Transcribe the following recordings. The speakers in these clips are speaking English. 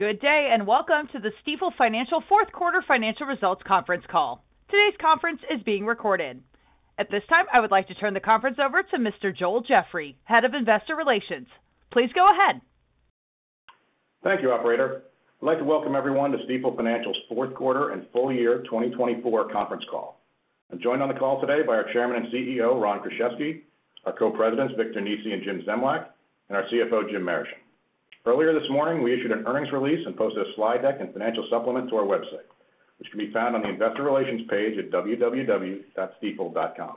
Good day and welcome to the Stifel Financial Fourth Quarter Financial Results Conference Call. Today's conference is being recorded. At this time, I would like to turn the conference over to Mr. Joel Jeffrey, Head of Investor Relations. Please go ahead. Thank you, Operator. I'd like to welcome everyone to Stifel Financial's Fourth Quarter and Full Year 2024 Conference Call. I'm joined on the call today by our Chairman and CEO, Ron Kruszewski, our Co-Presidents, Victor Nesi and Jim Zemlyak, and our CFO, Jim Marischen. Earlier this morning, we issued an earnings release and posted a slide deck and financial supplement to our website, which can be found on the investor relations page at www.stifel.com.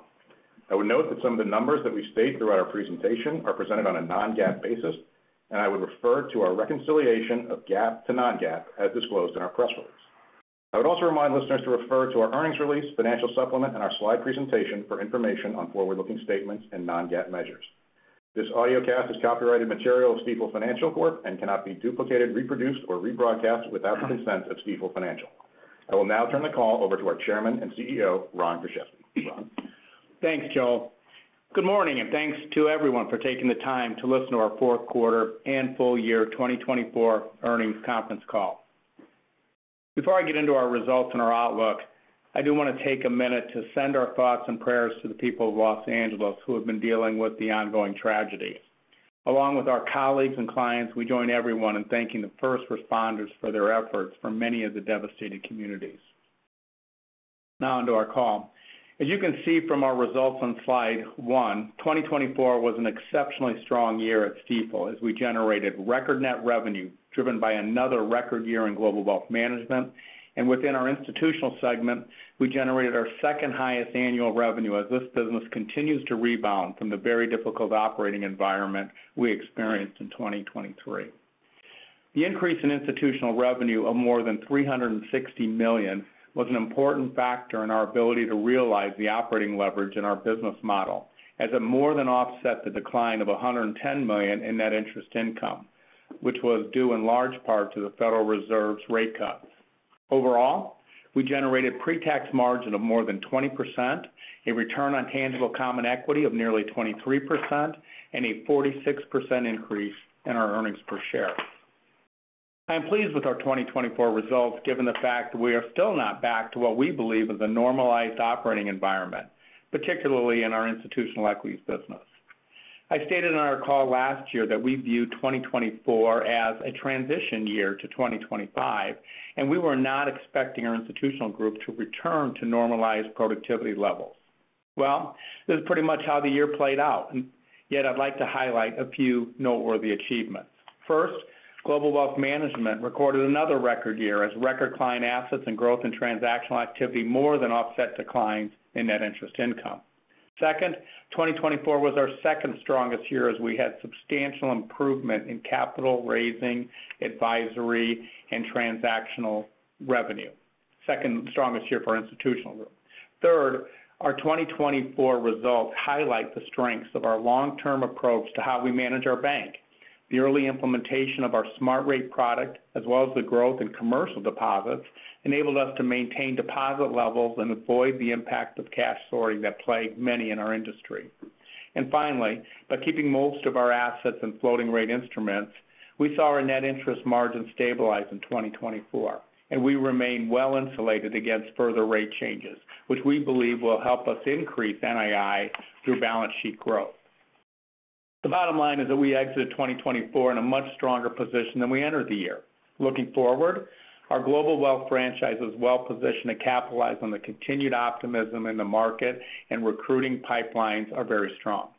I would note that some of the numbers that we state throughout our presentation are presented on a non-GAAP basis, and I would refer to our reconciliation of GAAP to non-GAAP as disclosed in our press release. I would also remind listeners to refer to our earnings release, financial supplement, and our slide presentation for information on forward-looking statements and non-GAAP measures. This audio cast is copyrighted material of Stifel Financial Corp. and cannot be duplicated, reproduced, or rebroadcast without the consent of Stifel Financial. I will now turn the call over to our Chairman and CEO, Ron Kruszewski. Thanks, Joel. Good morning, and thanks to everyone for taking the time to listen to our fourth quarter and full year 2024 earnings conference call. Before I get into our results and our outlook, I do want to take a minute to send our thoughts and prayers to the people of Los Angeles who have been dealing with the ongoing tragedies. Along with our colleagues and clients, we join everyone in thanking the first responders for their efforts for many of the devastated communities. Now on to our call. As you can see from our results on slide one, 2024 was an exceptionally strong year at Stifel as we generated record net revenue driven by another record year in Global Wealth Management, and within our Institutional segment, we generated our second highest annual revenue as this business continues to rebound from the very difficult operating environment we experienced in 2023. The increase in institutional revenue of more than $360 million was an important factor in our ability to realize the operating leverage in our business model, as it more than offset the decline of $110 million in net interest income, which was due in large part to the Federal Reserve's rate cuts. Overall, we generated a pre-tax margin of more than 20%, a return on tangible common equity of nearly 23%, and a 46% increase in our earnings per share. I am pleased with our 2024 results given the fact that we are still not back to what we believe is a normalized operating environment, particularly in our institutional equities business. I stated in our call last year that we view 2024 as a transition year to 2025, and we were not expecting our institutional group to return to normalized productivity levels. This is pretty much how the year played out, and yet I'd like to highlight a few noteworthy achievements. First, global wealth management recorded another record year as record client assets and growth in transactional activity more than offset declines in net interest income. Second, 2024 was our second strongest year as we had substantial improvement in capital raising, advisory, and transactional revenue, second strongest year for our institutional group. Third, our 2024 results highlight the strengths of our long-term approach to how we manage our bank. The early implementation of our SmartRate product, as well as the growth in commercial deposits, enabled us to maintain deposit levels and avoid the impact of cash sorting that plagued many in our industry. Finally, by keeping most of our assets in floating rate instruments, we saw our net interest margin stabilize in 2024, and we remain well insulated against further rate changes, which we believe will help us increase NII through balance sheet growth. The bottom line is that we exited 2024 in a much stronger position than we entered the year. Looking forward, our global wealth franchise is well positioned to capitalize on the continued optimism in the market, and recruiting pipelines are very strong.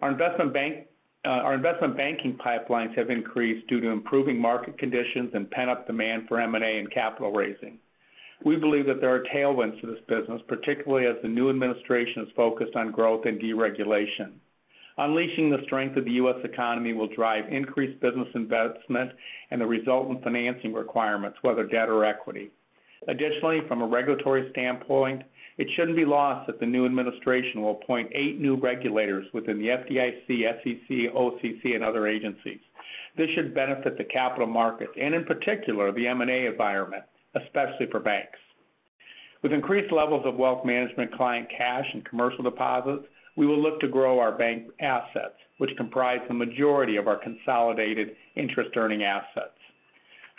Our investment banking pipelines have increased due to improving market conditions and pent-up demand for M&A and capital raising. We believe that there are tailwinds to this business, particularly as the new administration is focused on growth and deregulation. Unleashing the strength of the U.S. economy will drive increased business investment and the resultant financing requirements, whether debt or equity. Additionally, from a regulatory standpoint, it shouldn't be lost that the new administration will appoint eight new regulators within the FDIC, SEC, OCC, and other agencies. This should benefit the capital markets and, in particular, the M&A environment, especially for banks. With increased levels of wealth management client cash and commercial deposits, we will look to grow our bank assets, which comprise the majority of our consolidated interest-earning assets.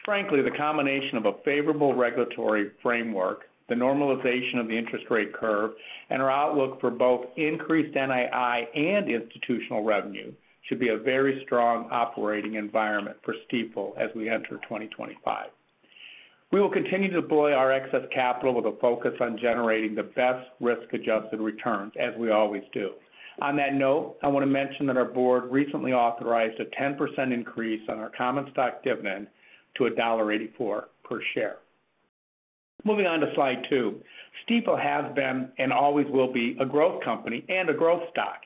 Frankly, the combination of a favorable regulatory framework, the normalization of the interest rate curve, and our outlook for both increased NII and institutional revenue should be a very strong operating environment for Stifel as we enter 2025. We will continue to deploy our excess capital with a focus on generating the best risk-adjusted returns, as we always do. On that note, I want to mention that our board recently authorized a 10% increase on our common stock dividend to $1.84 per share. Moving on to slide two, Stifel has been and always will be a growth company and a growth stock.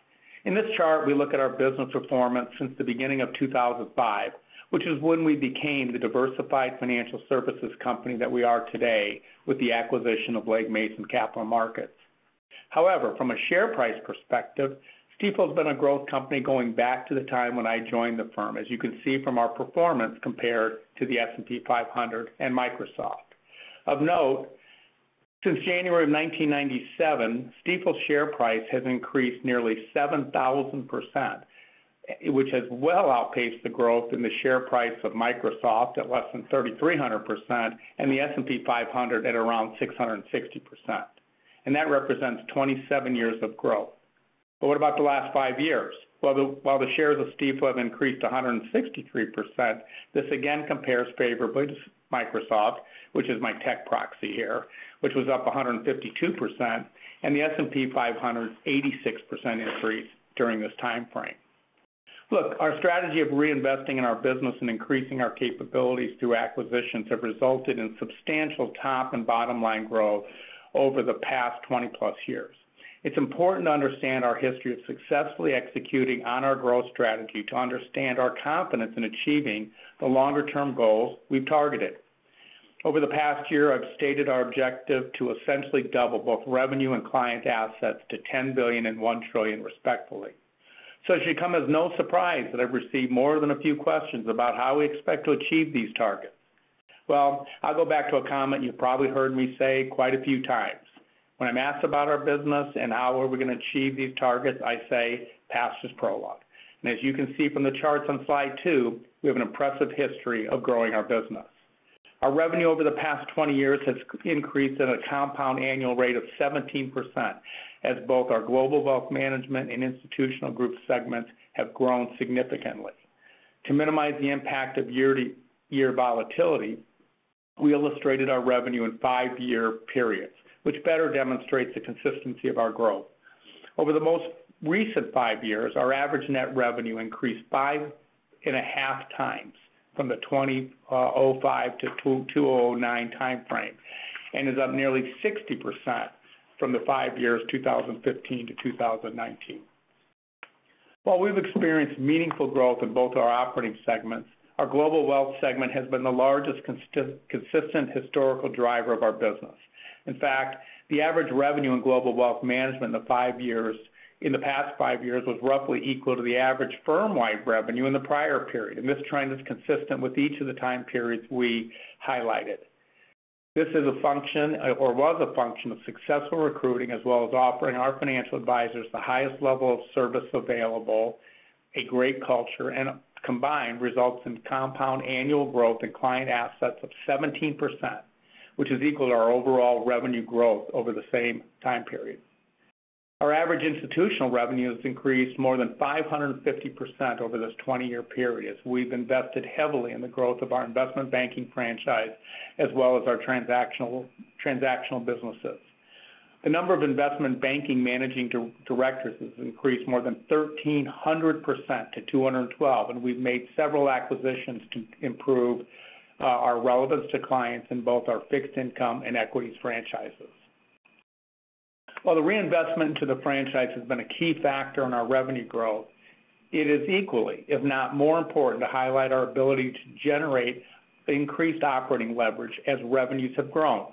In this chart, we look at our business performance since the beginning of 2005, which is when we became the diversified financial services company that we are today with the acquisition of Legg Mason Capital Markets. However, from a share price perspective, Stifel has been a growth company going back to the time when I joined the firm, as you can see from our performance compared to the S&P 500 and Microsoft. Of note, since January of 1997, Stifel's share price has increased nearly 7,000%, which has well outpaced the growth in the share price of Microsoft at less than 3,300% and the S&P 500 at around 660%. And that represents 27 years of growth. But what about the last five years? While the shares of Stifel have increased 163%, this again compares favorably to Microsoft, which is my tech proxy here, which was up 152%, and the S&P 500's 86% increase during this timeframe. Look, our strategy of reinvesting in our business and increasing our capabilities through acquisitions have resulted in substantial top and bottom line growth over the past 20-plus years. It's important to understand our history of successfully executing on our growth strategy to understand our confidence in achieving the longer-term goals we've targeted. Over the past year, I've stated our objective to essentially double both revenue and client assets to $10 billion and $1 trillion, respectively. So it should come as no surprise that I've received more than a few questions about how we expect to achieve these targets. Well, I'll go back to a comment you've probably heard me say quite a few times. When I'm asked about our business and how we're going to achieve these targets, I say, "Past is prologue." And as you can see from the charts on slide two, we have an impressive history of growing our business. Our revenue over the past 20 years has increased at a compound annual rate of 17%, as both our global wealth management and institutional group segments have grown significantly. To minimize the impact of year-to-year volatility, we illustrated our revenue in five-year periods, which better demonstrates the consistency of our growth. Over the most recent five years, our average net revenue increased five and a half times from the 2005 to 2009 timeframe and is up nearly 60% from the five years 2015 to 2019. While we've experienced meaningful growth in both our operating segments, our global wealth segment has been the largest consistent historical driver of our business. In fact, the average revenue in global wealth management in the past five years was roughly equal to the average firm-wide revenue in the prior period, and this trend is consistent with each of the time periods we highlighted. This is a function, or was a function, of successful recruiting, as well as offering our financial advisors the highest level of service available, a great culture, and combined results in compound annual growth in client assets of 17%, which is equal to our overall revenue growth over the same time period. Our average institutional revenue has increased more than 550% over this 20-year period as we've invested heavily in the growth of our investment banking franchise as well as our transactional businesses. The number of investment banking managing directors has increased more than 1,300% to 212, and we've made several acquisitions to improve our relevance to clients in both our fixed income and equities franchises. While the reinvestment into the franchise has been a key factor in our revenue growth, it is equally, if not more important, to highlight our ability to generate increased operating leverage as revenues have grown.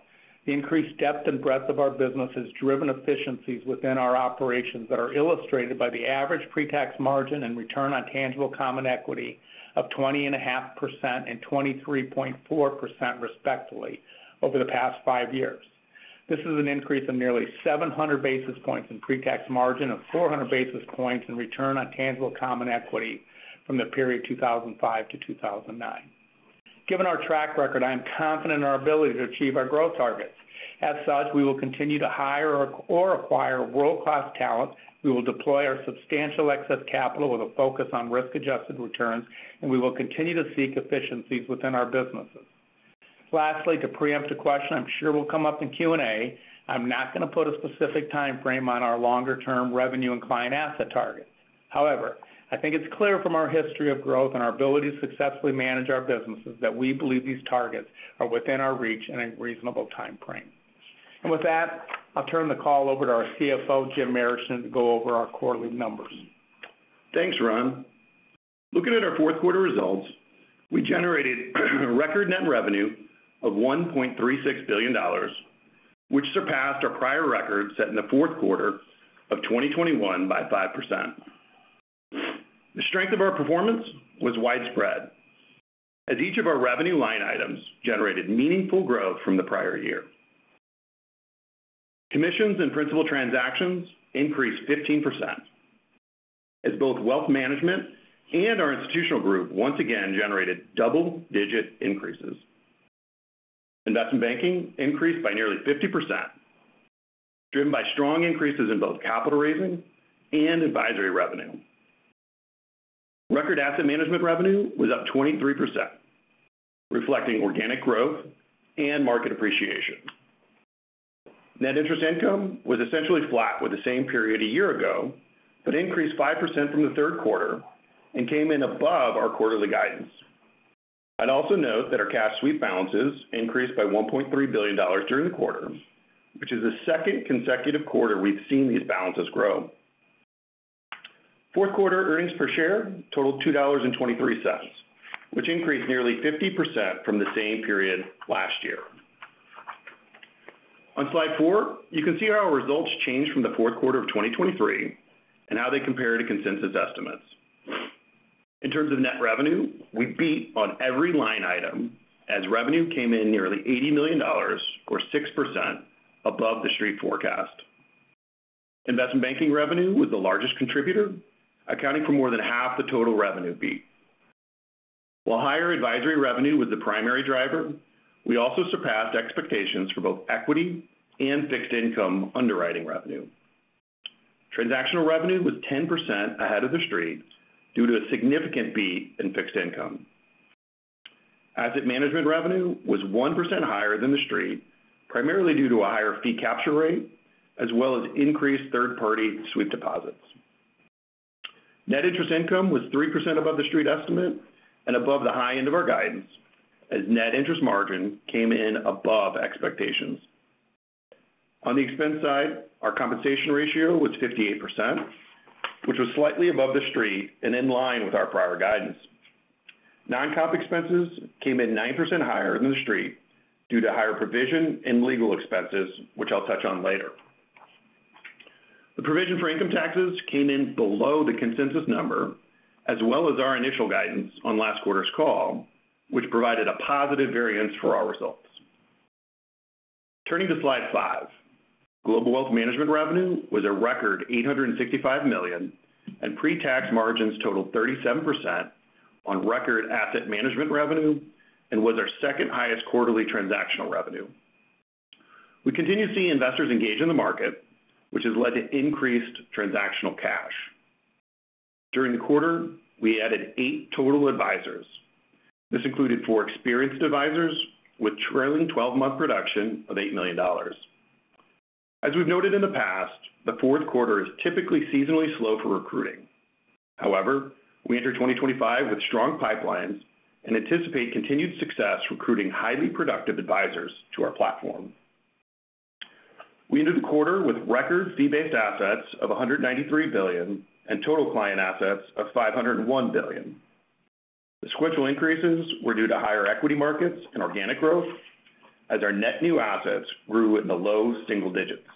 The increased depth and breadth of our business has driven efficiencies within our operations that are illustrated by the average pre-tax margin and return on tangible common equity of 20.5% and 23.4%, respectively, over the past five years. This is an increase of nearly 700 basis points in pre-tax margin and 400 basis points in return on tangible common equity from the period 2005 to 2009. Given our track record, I am confident in our ability to achieve our growth targets. As such, we will continue to hire or acquire world-class talent. We will deploy our substantial excess capital with a focus on risk-adjusted returns, and we will continue to seek efficiencies within our businesses. Lastly, to preempt a question I'm sure will come up in Q&A, I'm not going to put a specific timeframe on our longer-term revenue and client asset targets. However, I think it's clear from our history of growth and our ability to successfully manage our businesses that we believe these targets are within our reach in a reasonable timeframe. And with that, I'll turn the call over to our CFO, Jim Marischen, to go over our quarterly numbers. Thanks, Ron. Looking at our fourth quarter results, we generated a record net revenue of $1.36 billion, which surpassed our prior record set in the fourth quarter of 2021 by 5%. The strength of our performance was widespread, as each of our revenue line items generated meaningful growth from the prior year. Commissions and Principal Transactions increased 15%, as both wealth management and our institutional group once again generated double-digit increases. Investment banking increased by nearly 50%, driven by strong increases in both capital raising and advisory revenue. Record asset management revenue was up 23%, reflecting organic growth and market appreciation. Net interest income was essentially flat with the same period a year ago, but increased 5% from the third quarter and came in above our quarterly guidance. I'd also note that our cash sweep balances increased by $1.3 billion during the quarter, which is the second consecutive quarter we've seen these balances grow. Fourth quarter earnings per share totaled $2.23, which increased nearly 50% from the same period last year. On slide four, you can see how our results changed from the fourth quarter of 2023 and how they compare to consensus estimates. In terms of net revenue, we beat on every line item, as revenue came in nearly $80 million, or 6%, above the street forecast. Investment banking revenue was the largest contributor, accounting for more than half the total revenue beat. While higher advisory revenue was the primary driver, we also surpassed expectations for both equity and fixed income underwriting revenue. Transactional revenue was 10% ahead of the street due to a significant beat in fixed income. Asset management revenue was 1% higher than the street, primarily due to a higher fee capture rate, as well as increased third-party sweep deposits. Net interest income was 3% above the street estimate and above the high end of our guidance, as net interest margin came in above expectations. On the expense side, our compensation ratio was 58%, which was slightly above the street and in line with our prior guidance. Non-comp expenses came in 9% higher than the street due to higher provision and legal expenses, which I'll touch on later. The provision for income taxes came in below the consensus number, as well as our initial guidance on last quarter's call, which provided a positive variance for our results. Turning to slide five, global wealth management revenue was a record $865 million, and pre-tax margins totaled 37% on record asset management revenue and was our second highest quarterly transactional revenue. We continue to see investors engage in the market, which has led to increased transactional cash. During the quarter, we added eight total advisors. This included four experienced advisors with trailing 12-month production of $8 million. As we've noted in the past, the fourth quarter is typically seasonally slow for recruiting. However, we enter 2025 with strong pipelines and anticipate continued success recruiting highly productive advisors to our platform. We entered the quarter with record fee-based assets of $193 billion and total client assets of $501 billion. The sequential increases were due to higher equity markets and organic growth, as our net new assets grew in the low single digits.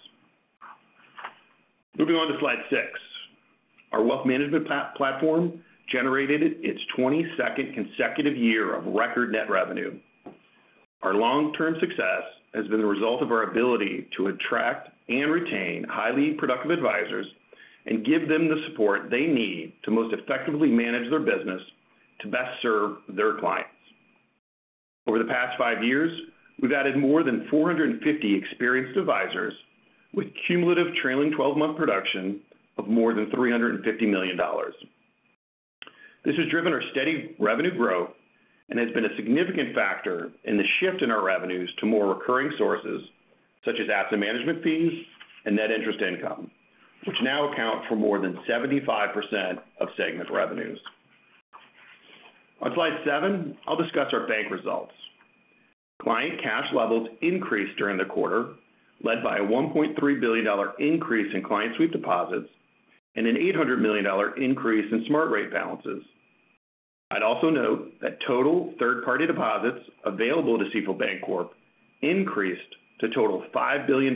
Moving on to slide six, our wealth management platform generated its 22nd consecutive year of record net revenue. Our long-term success has been the result of our ability to attract and retain highly productive advisors and give them the support they need to most effectively manage their business to best serve their clients. Over the past five years, we've added more than 450 experienced advisors with cumulative trailing 12-month production of more than $350 million. This has driven our steady revenue growth and has been a significant factor in the shift in our revenues to more recurring sources, such as asset management fees and net interest income, which now account for more than 75% of segment revenues. On slide seven, I'll discuss our bank results. Client cash levels increased during the quarter, led by a $1.3 billion increase in client sweep deposits and an $800 million increase in SmartRate balances. I'd also note that total third-party deposits available to Stifel Bancorp increased to total $5 billion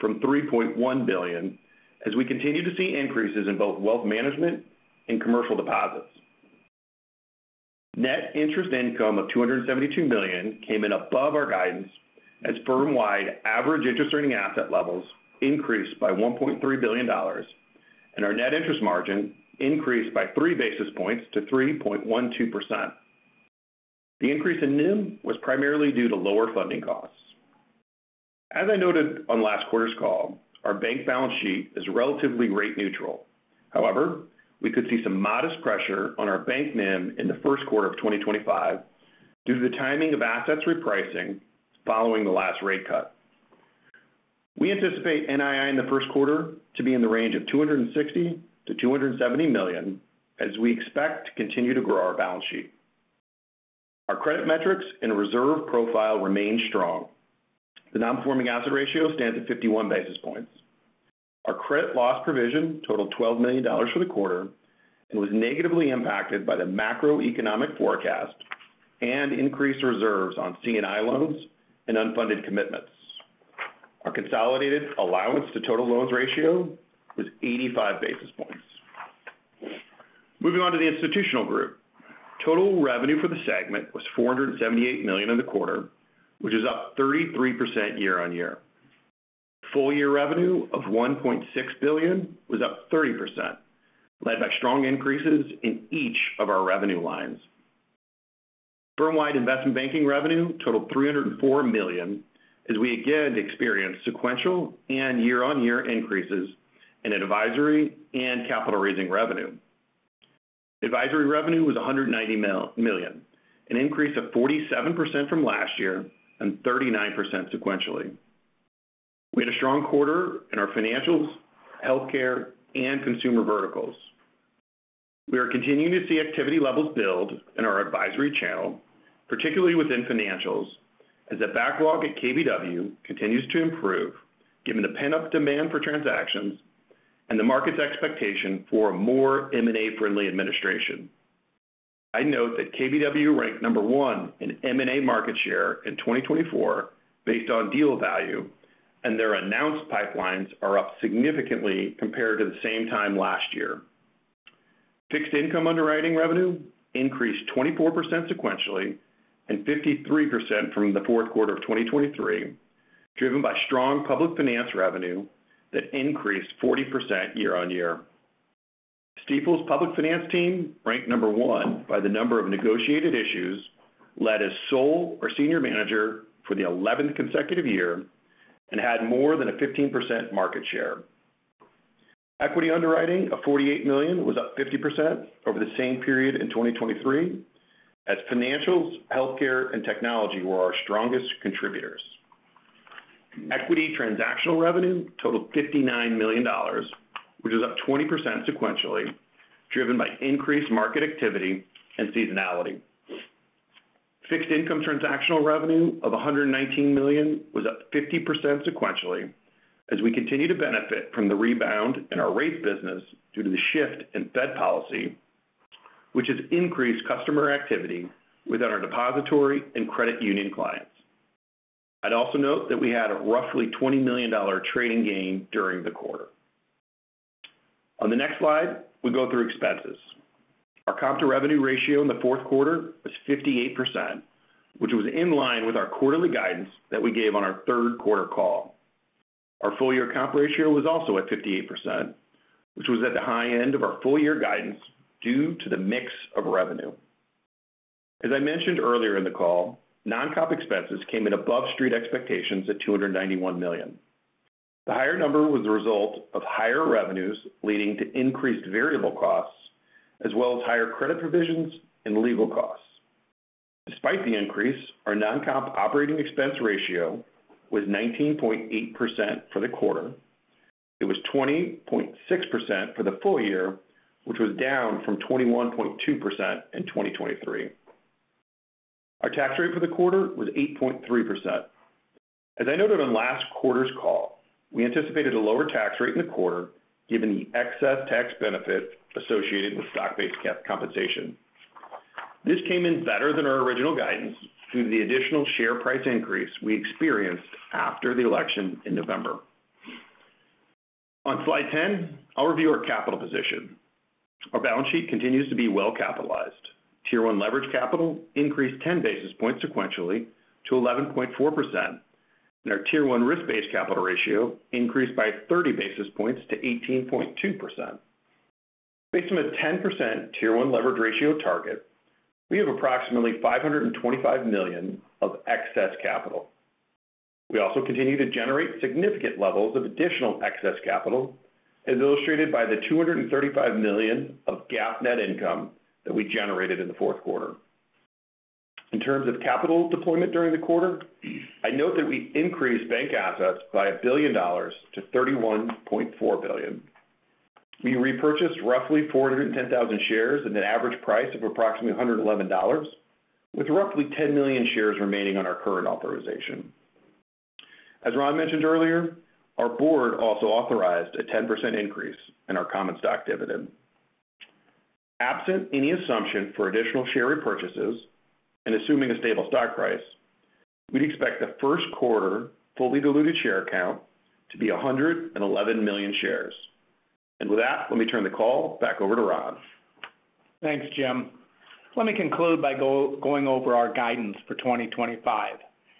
from $3.1 billion, as we continue to see increases in both wealth management and commercial deposits. Net interest income of $272 million came in above our guidance, as firm-wide average interest-earning asset levels increased by $1.3 billion, and our net interest margin increased by three basis points to 3.12%. The increase in NIM was primarily due to lower funding costs. As I noted on last quarter's call, our bank balance sheet is relatively rate neutral. However, we could see some modest pressure on our bank NIM in the first quarter of 2025 due to the timing of assets repricing following the last rate cut. We anticipate NII in the first quarter to be in the range of $260 million-$270 million, as we expect to continue to grow our balance sheet. Our credit metrics and reserve profile remain strong. The non-performing asset ratio stands at 51 basis points. Our credit loss provision totaled $12 million for the quarter and was negatively impacted by the macroeconomic forecast and increased reserves on C&I loans and unfunded commitments. Our consolidated allowance-to-total loans ratio was 85 basis points. Moving on to the institutional group, total revenue for the segment was $478 million in the quarter, which is up 33% year-on-year. Full-year revenue of $1.6 billion was up 30%, led by strong increases in each of our revenue lines. Firm-wide investment banking revenue totaled $304 million, as we again experienced sequential and year-on-year increases in advisory and capital raising revenue. Advisory revenue was $190 million, an increase of 47% from last year and 39% sequentially. We had a strong quarter in our financials, healthcare, and consumer verticals. We are continuing to see activity levels build in our advisory channel, particularly within financials, as the backlog at KBW continues to improve, given the pent-up demand for transactions and the market's expectation for more M&A-friendly administration. I'd note that KBW ranked number one in M&A market share in 2024 based on deal value, and their announced pipelines are up significantly compared to the same time last year. Fixed income underwriting revenue increased 24% sequentially and 53% from the fourth quarter of 2023, driven by strong public finance revenue that increased 40% year-on-year. Stifel's public finance team ranked number one by the number of negotiated issues, led as sole or senior manager for the 11th consecutive year, and had more than a 15% market share. Equity underwriting of $48 million was up 50% over the same period in 2023, as financials, healthcare, and technology were our strongest contributors. Equity transactional revenue totaled $59 million, which was up 20% sequentially, driven by increased market activity and seasonality. Fixed income transactional revenue of $119 million was up 50% sequentially, as we continue to benefit from the rebound in our rates business due to the shift in Fed policy, which has increased customer activity within our depository and credit union clients. I'd also note that we had a roughly $20 million trading gain during the quarter. On the next slide, we go through expenses. Our comp to revenue ratio in the fourth quarter was 58%, which was in line with our quarterly guidance that we gave on our third quarter call. Our full-year comp ratio was also at 58%, which was at the high end of our full-year guidance due to the mix of revenue. As I mentioned earlier in the call, non-comp expenses came in above street expectations at $291 million. The higher number was the result of higher revenues leading to increased variable costs, as well as higher credit provisions and legal costs. Despite the increase, our non-comp operating expense ratio was 19.8% for the quarter. It was 20.6% for the full year, which was down from 21.2% in 2023. Our tax rate for the quarter was 8.3%. As I noted on last quarter's call, we anticipated a lower tax rate in the quarter given the excess tax benefit associated with stock-based compensation. This came in better than our original guidance due to the additional share price increase we experienced after the election in November. On slide 10, I'll review our capital position. Our balance sheet continues to be well-capitalized. Tier 1 Leveraged Capital increased 10 basis points sequentially to 11.4%, and our Tier 1 Risk-Based Capital ratio increased by 30 basis points to 18.2%. Based on a 10% Tier 1 Leveraged ratio target, we have approximately $525 million of excess capital. We also continue to generate significant levels of additional excess capital, as illustrated by the $235 million of GAAP net income that we generated in the fourth quarter. In terms of capital deployment during the quarter, I note that we increased bank assets by $1 billion-$31.4 billion. We repurchased roughly 410,000 shares at an average price of approximately $111, with roughly 10 million shares remaining on our current authorization. As Ron mentioned earlier, our board also authorized a 10% increase in our common stock dividend. Absent any assumption for additional share repurchases and assuming a stable stock price, we'd expect the first quarter fully diluted share count to be 111 million shares, and with that, let me turn the call back over to Ron. Thanks, Jim. Let me conclude by going over our guidance for 2025.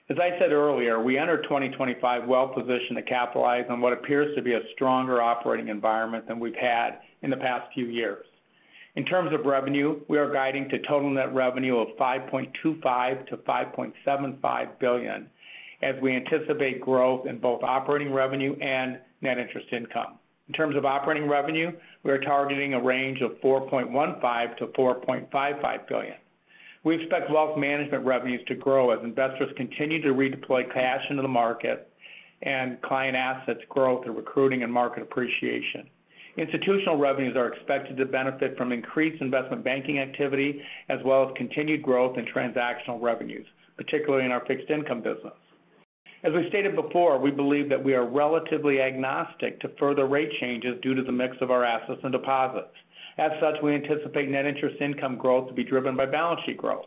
As I said earlier, we entered 2025 well-positioned to capitalize on what appears to be a stronger operating environment than we've had in the past few years. In terms of revenue, we are guiding to total net revenue of $5.25 billion-$5.75 billion, as we anticipate growth in both operating revenue and net interest income. In terms of operating revenue, we are targeting a range of $4.15 billion-$4.55 billion. We expect wealth management revenues to grow as investors continue to redeploy cash into the market and client assets grow through recruiting and market appreciation. Institutional revenues are expected to benefit from increased investment banking activity, as well as continued growth in transactional revenues, particularly in our fixed income business. As we stated before, we believe that we are relatively agnostic to further rate changes due to the mix of our assets and deposits. As such, we anticipate net interest income growth to be driven by balance sheet growth.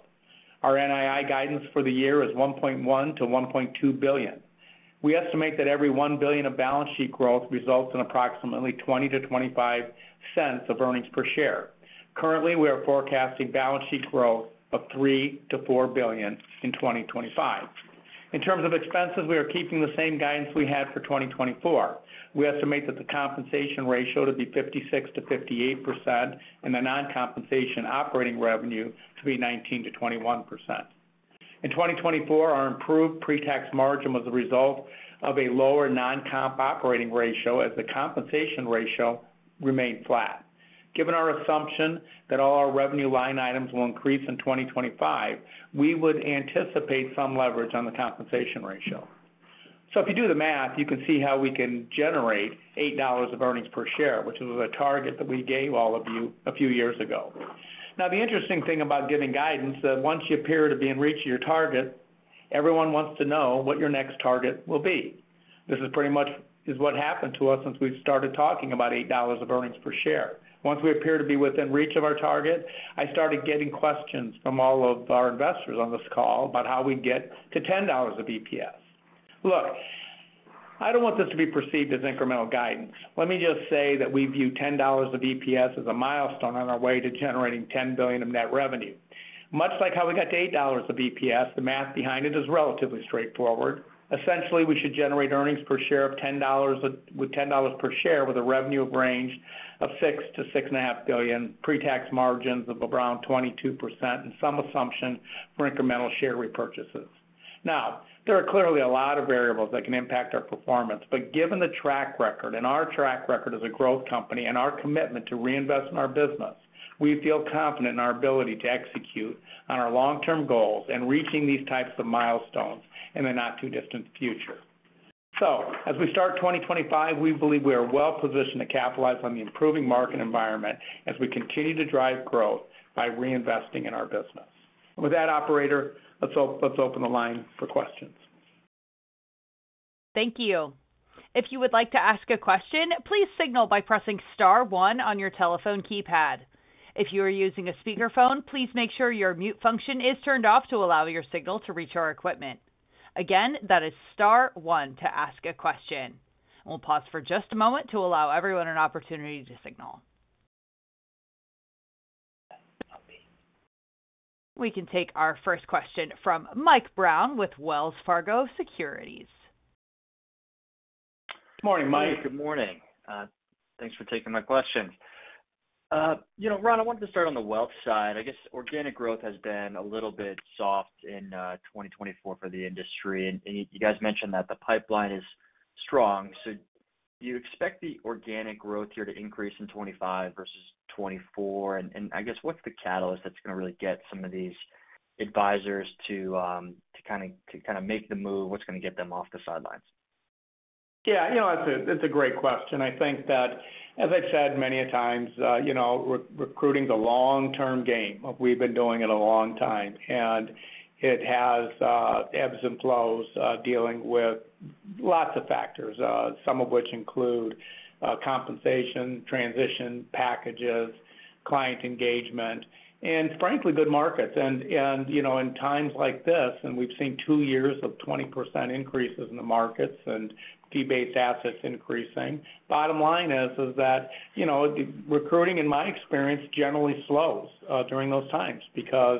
Our NII guidance for the year is $1.1 billion-$1.2 billion. We estimate that every $1 billion of balance sheet growth results in approximately $0.20-$0.25 of earnings per share. Currently, we are forecasting balance sheet growth of $3 billion-$4 billion in 2025. In terms of expenses, we are keeping the same guidance we had for 2024. We estimate that the compensation ratio to be 56%-58% and the non-compensation operating revenue to be 19%-21%. In 2024, our improved pre-tax margin was the result of a lower non-comp operating ratio as the compensation ratio remained flat. Given our assumption that all our revenue line items will increase in 2025, we would anticipate some leverage on the compensation ratio. So if you do the math, you can see how we can generate $8 of earnings per share, which was a target that we gave all of you a few years ago. Now, the interesting thing about giving guidance is that once you appear to be in reach of your target, everyone wants to know what your next target will be. This is pretty much what happened to us since we've started talking about $8 of earnings per share. Once we appear to be within reach of our target, I started getting questions from all of our investors on this call about how we get to $10 of EPS. Look, I don't want this to be perceived as incremental guidance. Let me just say that we view $10 of EPS as a milestone on our way to generating $10 billion of net revenue. Much like how we got to $8 of EPS, the math behind it is relatively straightforward. Essentially, we should generate earnings per share of $10 with $10 per share with a revenue range of $6 billion-$6.5 billion, pre-tax margins of around 22%, and some assumption for incremental share repurchases. Now, there are clearly a lot of variables that can impact our performance, but given the track record, and our track record as a growth company and our commitment to reinvest in our business, we feel confident in our ability to execute on our long-term goals and reaching these types of milestones in the not-too-distant future. So as we start 2025, we believe we are well-positioned to capitalize on the improving market environment as we continue to drive growth by reinvesting in our business. And with that, Operator, let's open the line for questions. Thank you. If you would like to ask a question, please signal by pressing star one on your telephone keypad. If you are using a speakerphone, please make sure your mute function is turned off to allow your signal to reach our equipment. Again, that is star one to ask a question. We'll pause for just a moment to allow everyone an opportunity to signal. We can take our first question from Mike Brown with Wells Fargo Securities. Good morning, Mike. Good morning. Thanks for taking my question. You know, Ron, I wanted to start on the wealth side. I guess organic growth has been a little bit soft in 2024 for the industry, and you guys mentioned that the pipeline is strong. So do you expect the organic growth here to increase in 2025 versus 2024? And I guess what's the catalyst that's going to really get some of these advisors to kind of make the move? What's going to get them off the sidelines? Yeah, you know, it's a great question. I think that, as I've said many times, recruiting is a long-term game. We've been doing it a long time, and it has ebbs and flows dealing with lots of factors, some of which include compensation, transition packages, client engagement, and frankly, good markets, and in times like this, and we've seen two years of 20% increases in the markets and fee-based assets increasing, bottom line is that recruiting, in my experience, generally slows during those times because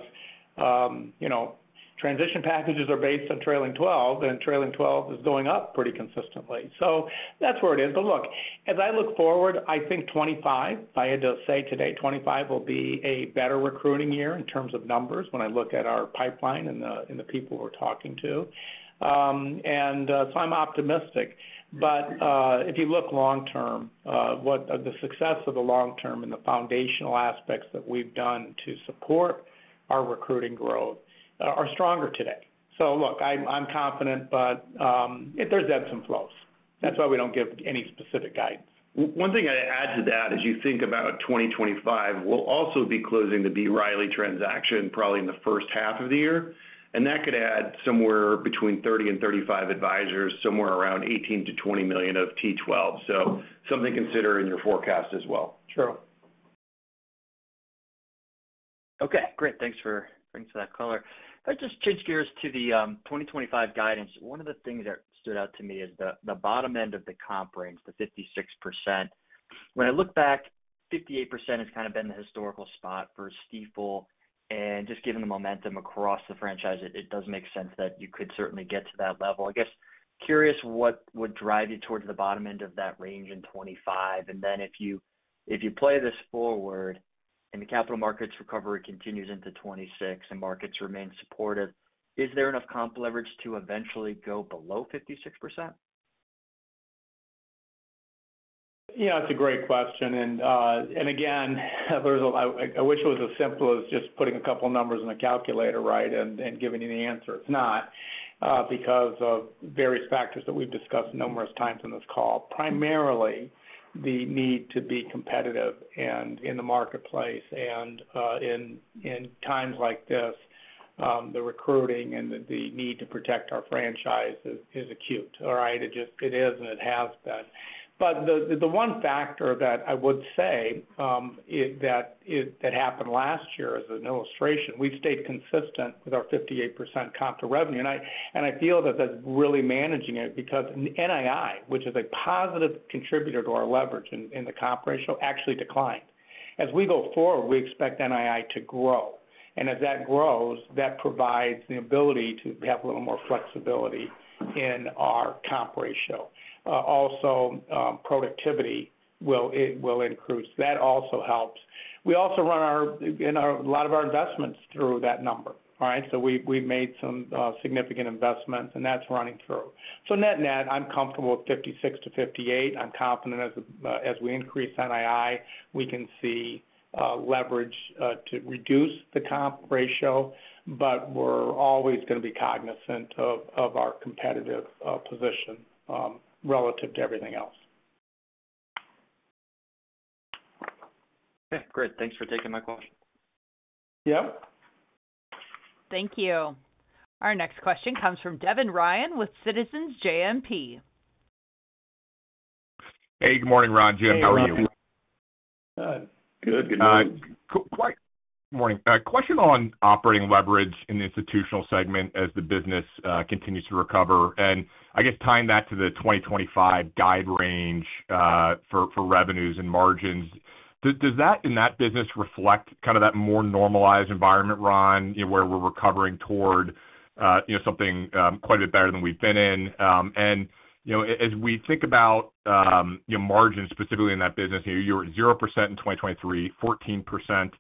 transition packages are based on trailing 12, and trailing 12 is going up pretty consistently. So that's where it is, but look, as I look forward, I think 2025, if I had to say today, 2025 will be a better recruiting year in terms of numbers when I look at our pipeline and the people we're talking to, and so I'm optimistic. But if you look long-term, the success of the long-term and the foundational aspects that we've done to support our recruiting growth are stronger today. So look, I'm confident, but there's ebbs and flows. That's why we don't give any specific guidance. One thing I'd add to that as you think about 2025, we'll also be closing the B. Riley transaction probably in the first half of the year, and that could add somewhere between 30 and 35 advisors, somewhere around 18 to 20 million of T12. So something to consider in your forecast as well. Sure. Okay. Great. Thanks for bringing that color. If I just change gears to the 2025 guidance, one of the things that stood out to me is the bottom end of the comp range, the 56%. When I look back, 58% has kind of been the historical spot for Stifel, and just given the momentum across the franchise, it does make sense that you could certainly get to that level. I guess curious what would drive you towards the bottom end of that range in 2025. And then if you play this forward and the capital markets recovery continues into 2026 and markets remain supportive, is there enough comp leverage to eventually go below 56%? Yeah, that's a great question. And again, I wish it was as simple as just putting a couple of numbers in a calculator, right, and giving you the answer. It's not because of various factors that we've discussed numerous times on this call, primarily the need to be competitive in the marketplace. And in times like this, the recruiting and the need to protect our franchise is acute, all right? It is, and it has been. But the one factor that I would say that happened last year as an illustration, we've stayed consistent with our 58% comp to revenue. And I feel that that's really managing it because NII, which is a positive contributor to our leverage in the comp ratio, actually declined. As we go forward, we expect NII to grow. And as that grows, that provides the ability to have a little more flexibility in our comp ratio. Also, productivity will increase. That also helps. We also run a lot of our investments through that number, all right? So we've made some significant investments, and that's running through. So net-net, I'm comfortable with 56%-58%. I'm confident as we increase NII, we can see leverage to reduce the comp ratio, but we're always going to be cognizant of our competitive position relative to everything else. Okay. Great. Thanks for taking my question. Yep. Thank you. Our next question comes from Devin Ryan with Citizens JMP. Hey, good morning, Ron. Jim. How are you? Good. Good. Good morning. Question on operating leverage in the institutional segment as the business continues to recover. And I guess tying that to the 2025 guide range for revenues and margins, does that in that business reflect kind of that more normalized environment, Ron, where we're recovering toward something quite a bit better than we've been in? And as we think about margins specifically in that business, you were at 0% in 2023, 14%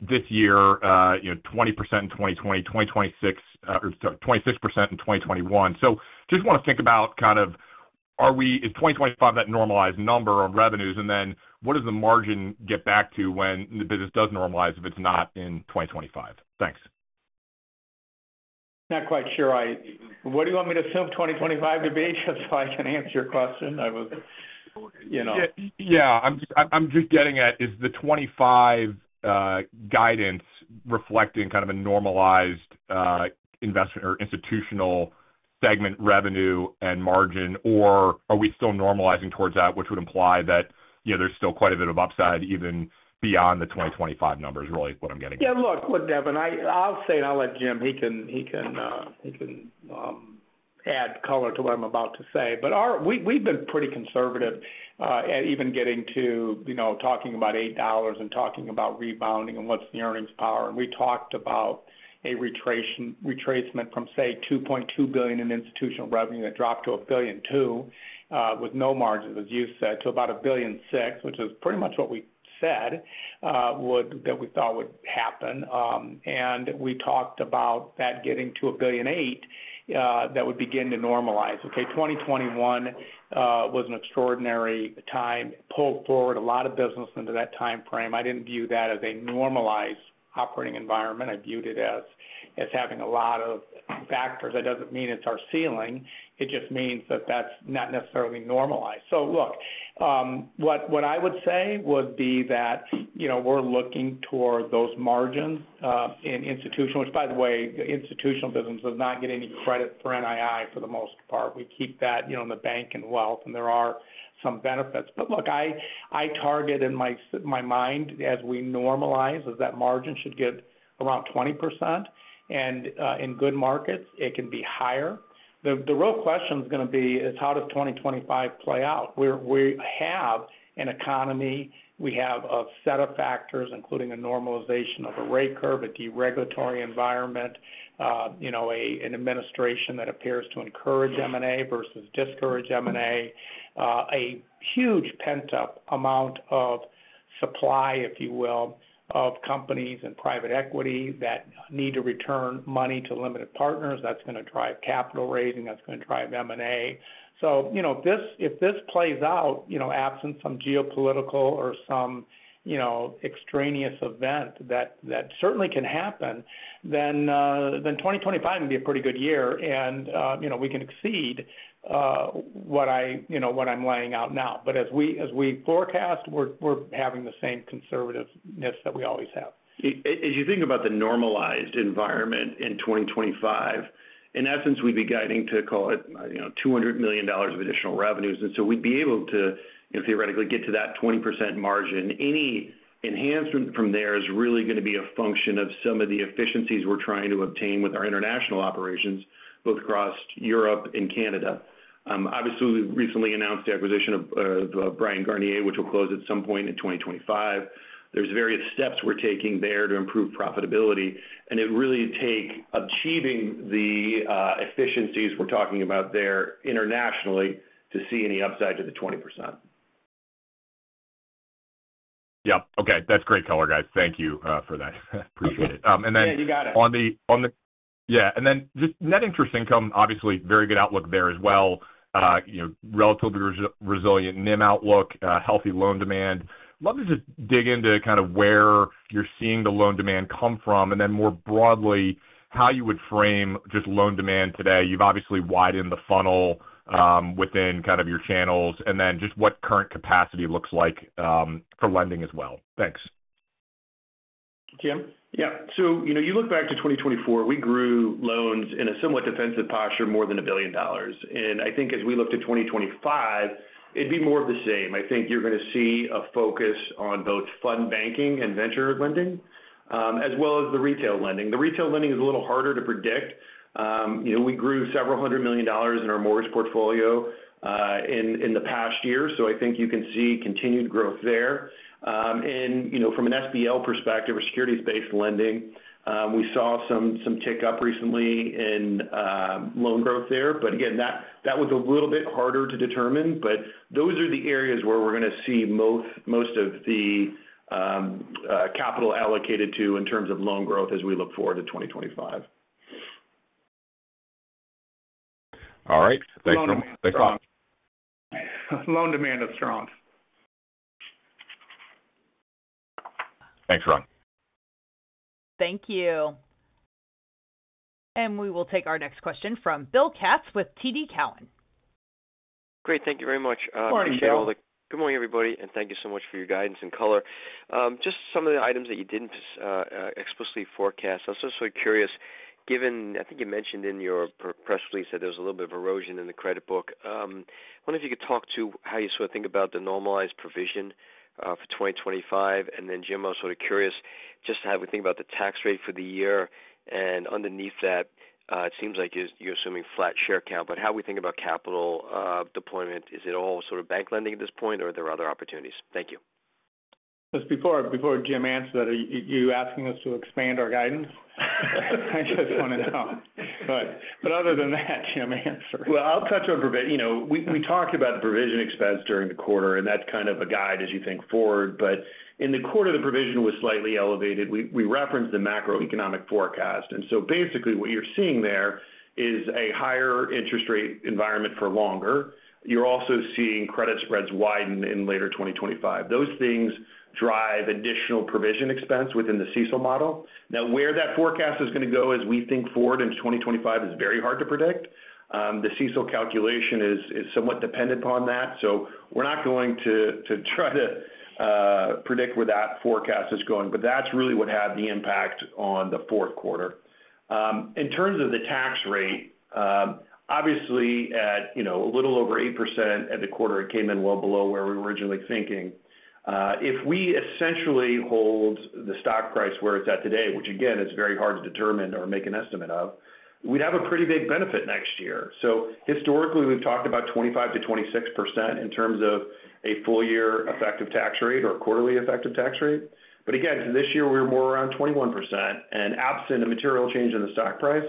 this year, 20% in 2020, 2026, or sorry, 26% in 2021. So just want to think about kind of, is 2025 that normalized number on revenues? And then what does the margin get back to when the business does normalize if it's not in 2025? Thanks. Not quite sure. What do you want me to assume 2025 to be just so I can answer your question? I was. Yeah. I'm just getting at, is the '25 guidance reflecting kind of a normalized investment or institutional segment revenue and margin, or are we still normalizing towards that, which would imply that there's still quite a bit of upside even beyond the 2025 numbers really is what I'm getting at? Yeah. Look, look, Devin, I'll say, and I'll let Jim, he can add color to what I'm about to say. But we've been pretty conservative at even getting to talking about $8 and talking about rebounding and what's the earnings power. We talked about a retracement from, say, $2.2 billion in Institutional Revenue that dropped to $1.2 billion with no margins, as you said, to about $1.6 billion, which is pretty much what we said that we thought would happen. We talked about that getting to $1.8 billion that would begin to normalize. Okay. 2021 was an extraordinary time. It pulled forward a lot of business into that timeframe. I didn't view that as a normalized operating environment. I viewed it as having a lot of factors. That doesn't mean it's our ceiling. It just means that that's not necessarily normalized. So look, what I would say would be that we're looking toward those margins in institutional, which, by the way, institutional business does not get any credit for NII for the most part. We keep that in the bank and wealth, and there are some benefits. But look, I target in my mind as we normalize is that margin should get around 20%. And in good markets, it can be higher. The real question is going to be, is how does 2025 play out? We have an economy. We have a set of factors, including a normalization of a rate curve, a deregulatory environment, an administration that appears to encourage M&A versus discourage M&A, a huge pent-up amount of supply, if you will, of companies and private equity that need to return money to limited partners. That's going to drive capital raising. That's going to drive M&A. So if this plays out, absent some geopolitical or some extraneous event that certainly can happen, then 2025 will be a pretty good year. And we can exceed what I'm laying out now. But as we forecast, we're having the same conservativeness that we always have. As you think about the normalized environment in 2025, in essence, we'd be guiding to call it $200 million of additional revenues. And so we'd be able to theoretically get to that 20% margin. Any enhancement from there is really going to be a function of some of the efficiencies we're trying to obtain with our international operations, both across Europe and Canada. Obviously, we recently announced the acquisition of Bryan Garnier, which will close at some point in 2025. There's various steps we're taking there to improve profitability. And it really takes achieving the efficiencies we're talking about there internationally to see any upside to the 20%. Yep. Okay. That's great color, guys. Thank you for that. Appreciate it. And then. Yeah, you got it. On the. Yeah. And then just net interest income, obviously very good outlook there as well. Relatively resilient NIM outlook, healthy loan demand. Love to just dig into kind of where you're seeing the loan demand come from, and then more broadly, how you would frame just loan demand today. You've obviously widened the funnel within kind of your channels, and then just what current capacity looks like for lending as well. Thanks. Jim? Yeah. So you look back to 2024, we grew loans in a somewhat defensive posture, more than $1 billion. And I think as we look to 2025, it'd be more of the same. I think you're going to see a focus on both fund banking and venture lending, as well as the retail lending. The retail lending is a little harder to predict. We grew several hundred million dollars in our mortgage portfolio in the past year. So I think you can see continued growth there. And from an SBL perspective or securities-based lending, we saw some tick up recently in loan growth there. But again, that was a little bit harder to determine. But those are the areas where we're going to see most of the capital allocated to in terms of loan growth as we look forward to 2025. All right. Thanks, Ron. Thanks, Ron. Loan demand is strong. Thanks, Ron. Thank you. And we will take our next question from Bill Katz with TD Cowen. Great. Thank you very much. Good morning, Sharon. Good morning, everybody. And thank you so much for your guidance and color. Just some of the items that you didn't explicitly forecast. I was just sort of curious, given I think you mentioned in your press release that there was a little bit of erosion in the credit book. I wonder if you could talk to how you sort of think about the normalized provision for 2025. And then, Jim, I was sort of curious just how we think about the tax rate for the year. And underneath that, it seems like you're assuming flat share count. But how we think about capital deployment, is it all sort of bank lending at this point, or are there other opportunities? Thank you. Before Jim answered that, are you asking us to expand our guidance? I just want to know. But other than that, Jim, answer. Well, I'll touch on provision. We talked about the provision expense during the quarter, and that's kind of a guide as you think forward. But in the quarter, the provision was slightly elevated. We referenced the macroeconomic forecast. And so basically, what you're seeing there is a higher interest rate environment for longer. You're also seeing credit spreads widen in later 2025. Those things drive additional provision expense within the CECL model. Now, where that forecast is going to go as we think forward into 2025 is very hard to predict. The CECL calculation is somewhat dependent upon that. So we're not going to try to predict where that forecast is going. But that's really what had the impact on the fourth quarter. In terms of the tax rate, obviously, at a little over 8% at the quarter, it came in well below where we were originally thinking. If we essentially hold the stock price where it's at today, which again, is very hard to determine or make an estimate of, we'd have a pretty big benefit next year. So historically, we've talked about 25%-26% in terms of a full-year effective tax rate or a quarterly effective tax rate. But again, for this year, we were more around 21%. And absent a material change in the stock price,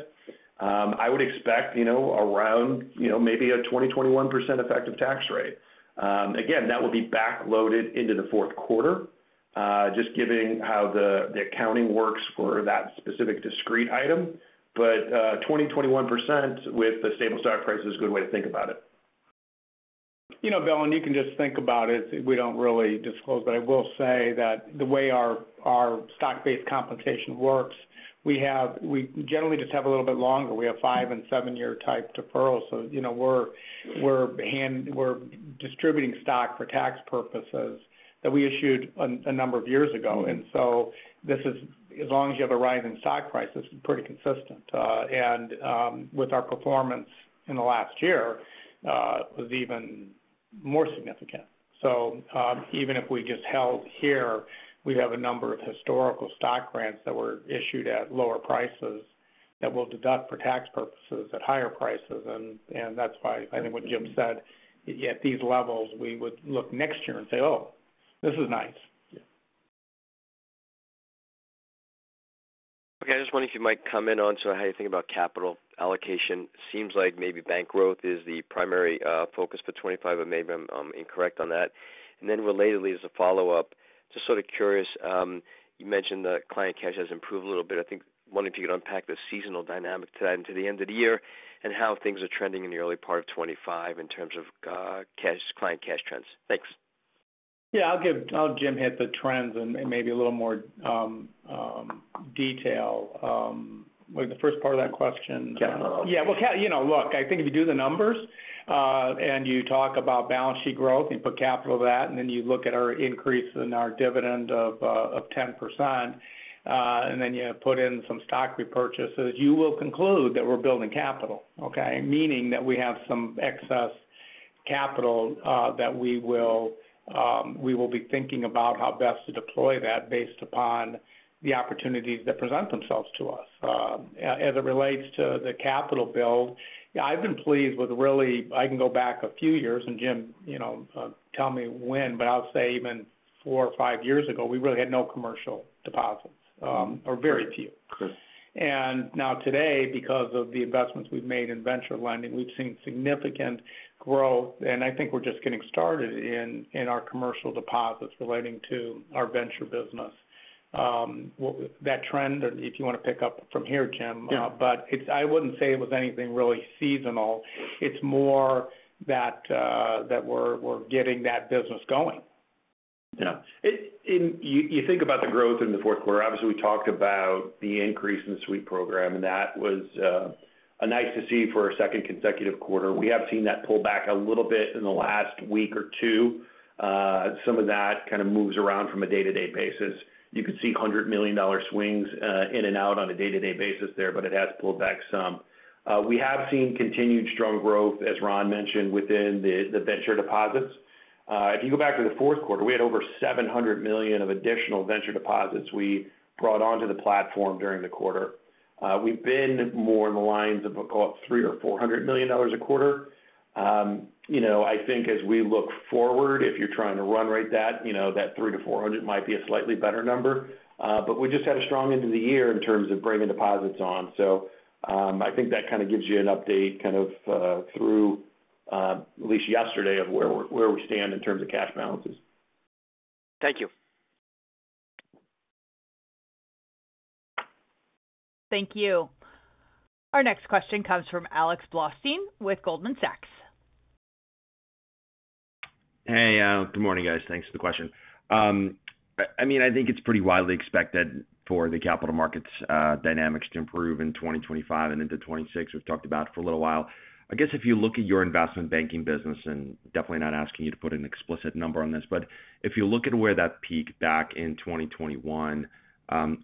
I would expect around maybe a 20%-21% effective tax rate. Again, that would be backloaded into the fourth quarter, just given how the accounting works for that specific discrete item. But 20%-21% with the stable stock price is a good way to think about it. You know, Bill, and you can just think about it. We don't really disclose. But I will say that the way our stock-based compensation works, we generally just have a little bit longer. We have five and seven-year type deferrals. So we're distributing stock for tax purposes that we issued a number of years ago. And so this is, as long as you have a rise in stock prices, pretty consistent. And with our performance in the last year, it was even more significant. So even if we just held here, we have a number of historical stock grants that were issued at lower prices that will deduct for tax purposes at higher prices. And that's why I think what Jim said, at these levels, we would look next year and say, "Oh, this is nice." Okay. I just wondered if you might come in on sort of how you think about capital allocation. Seems like maybe bank growth is the primary focus for 2025, but maybe I'm incorrect on that. And then relatedly, as a follow-up, just sort of curious, you mentioned the client cash has improved a little bit. I was wondering if you could unpack the seasonal dynamic to that and to the end of the year and how things are trending in the early part of 2025 in terms of client cash trends. Thanks. Yeah. I'll let Jim hit the trends and maybe a little more detail. Was it the first part of that question? Yeah. Well, look, I think if you do the numbers and you talk about balance sheet growth and you put capital to that, and then you look at our increase in our dividend of 10%, and then you put in some stock repurchases, you will conclude that we're building capital, okay? Meaning that we have some excess capital that we will be thinking about how best to deploy that based upon the opportunities that present themselves to us. As it relates to the capital build, I've been pleased with—really, I can go back a few years, and Jim, tell me when, but I'll say even four or five years ago—we really had no commercial deposits or very few. And now today, because of the investments we've made in venture lending, we've seen significant growth. And I think we're just getting started in our commercial deposits relating to our venture business. That trend, if you want to pick up from here, Jim. But I wouldn't say it was anything really seasonal. It's more that we're getting that business going. Yeah. You think about the growth in the fourth quarter, obviously, we talked about the increase in the sweep program, and that was nice to see for a second consecutive quarter. We have seen that pull back a little bit in the last week or two. Some of that kind of moves around from a day-to-day basis. You could see $100 million swings in and out on a day-to-day basis there, but it has pulled back some. We have seen continued strong growth, as Ron mentioned, within the venture deposits. If you go back to the fourth quarter, we had over $700 million of additional venture deposits we brought onto the platform during the quarter. We've been more in the lines of about three or $400 million a quarter. I think as we look forward, if you're trying to run rate that, that three to 400 might be a slightly better number. But we just had a strong end of the year in terms of bringing deposits on. So I think that kind of gives you an update kind of through at least yesterday of where we stand in terms of cash balances. Thank you. Thank you. Our next question comes from Alex Blostein with Goldman Sachs. Hey, good morning, guys. Thanks for the question. I mean, I think it's pretty widely expected for the capital markets dynamics to improve in 2025 and into 2026. We've talked about it for a little while. I guess if you look at your investment banking business, and definitely not asking you to put an explicit number on this, but if you look at where that peaked back in 2021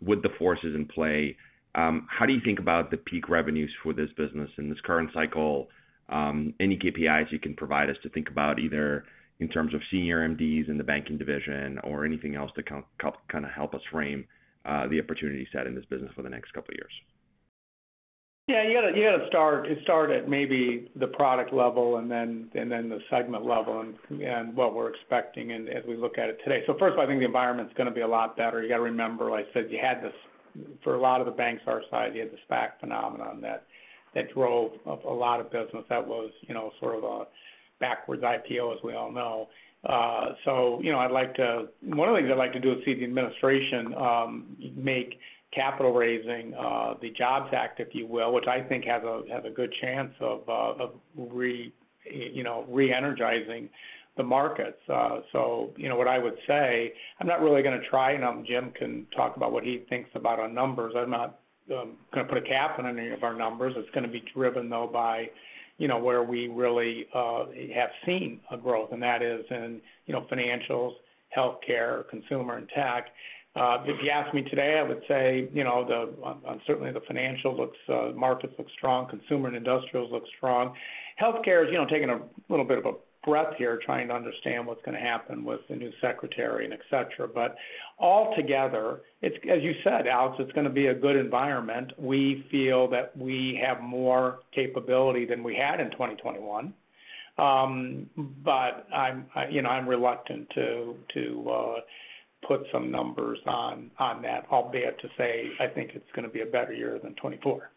with the forces in play, how do you think about the peak revenues for this business in this current cycle? Any KPIs you can provide us to think about either in terms of senior MDs in the banking division or anything else to kind of help us frame the opportunity set in this business for the next couple of years? Yeah. You got to start at maybe the product level and then the segment level and what we're expecting as we look at it today. So first of all, I think the environment's going to be a lot better. You got to remember, like I said, you had this for a lot of the banks on our side. You had the SPAC phenomenon that drove a lot of business that was sort of a backwards IPO, as we all know. So, one of the things I'd like to do is see the administration make capital raising, the JOBS Act, if you will, which I think has a good chance of re-energizing the markets. So what I would say, I'm not really going to try, and Jim can talk about what he thinks about our numbers. I'm not going to put a cap on any of our numbers. It's going to be driven, though, by where we really have seen a growth, and that is in financials, healthcare, consumer, and tech. If you asked me today, I would say certainly the financial markets look strong. Consumer and industrials look strong. Healthcare is taking a little bit of a breath here, trying to understand what's going to happen with the new secretary and etc. But altogether, as you said, Alex, it's going to be a good environment. We feel that we have more capability than we had in 2021. But I'm reluctant to put some numbers on that, albeit to say I think it's going to be a better year than 2024.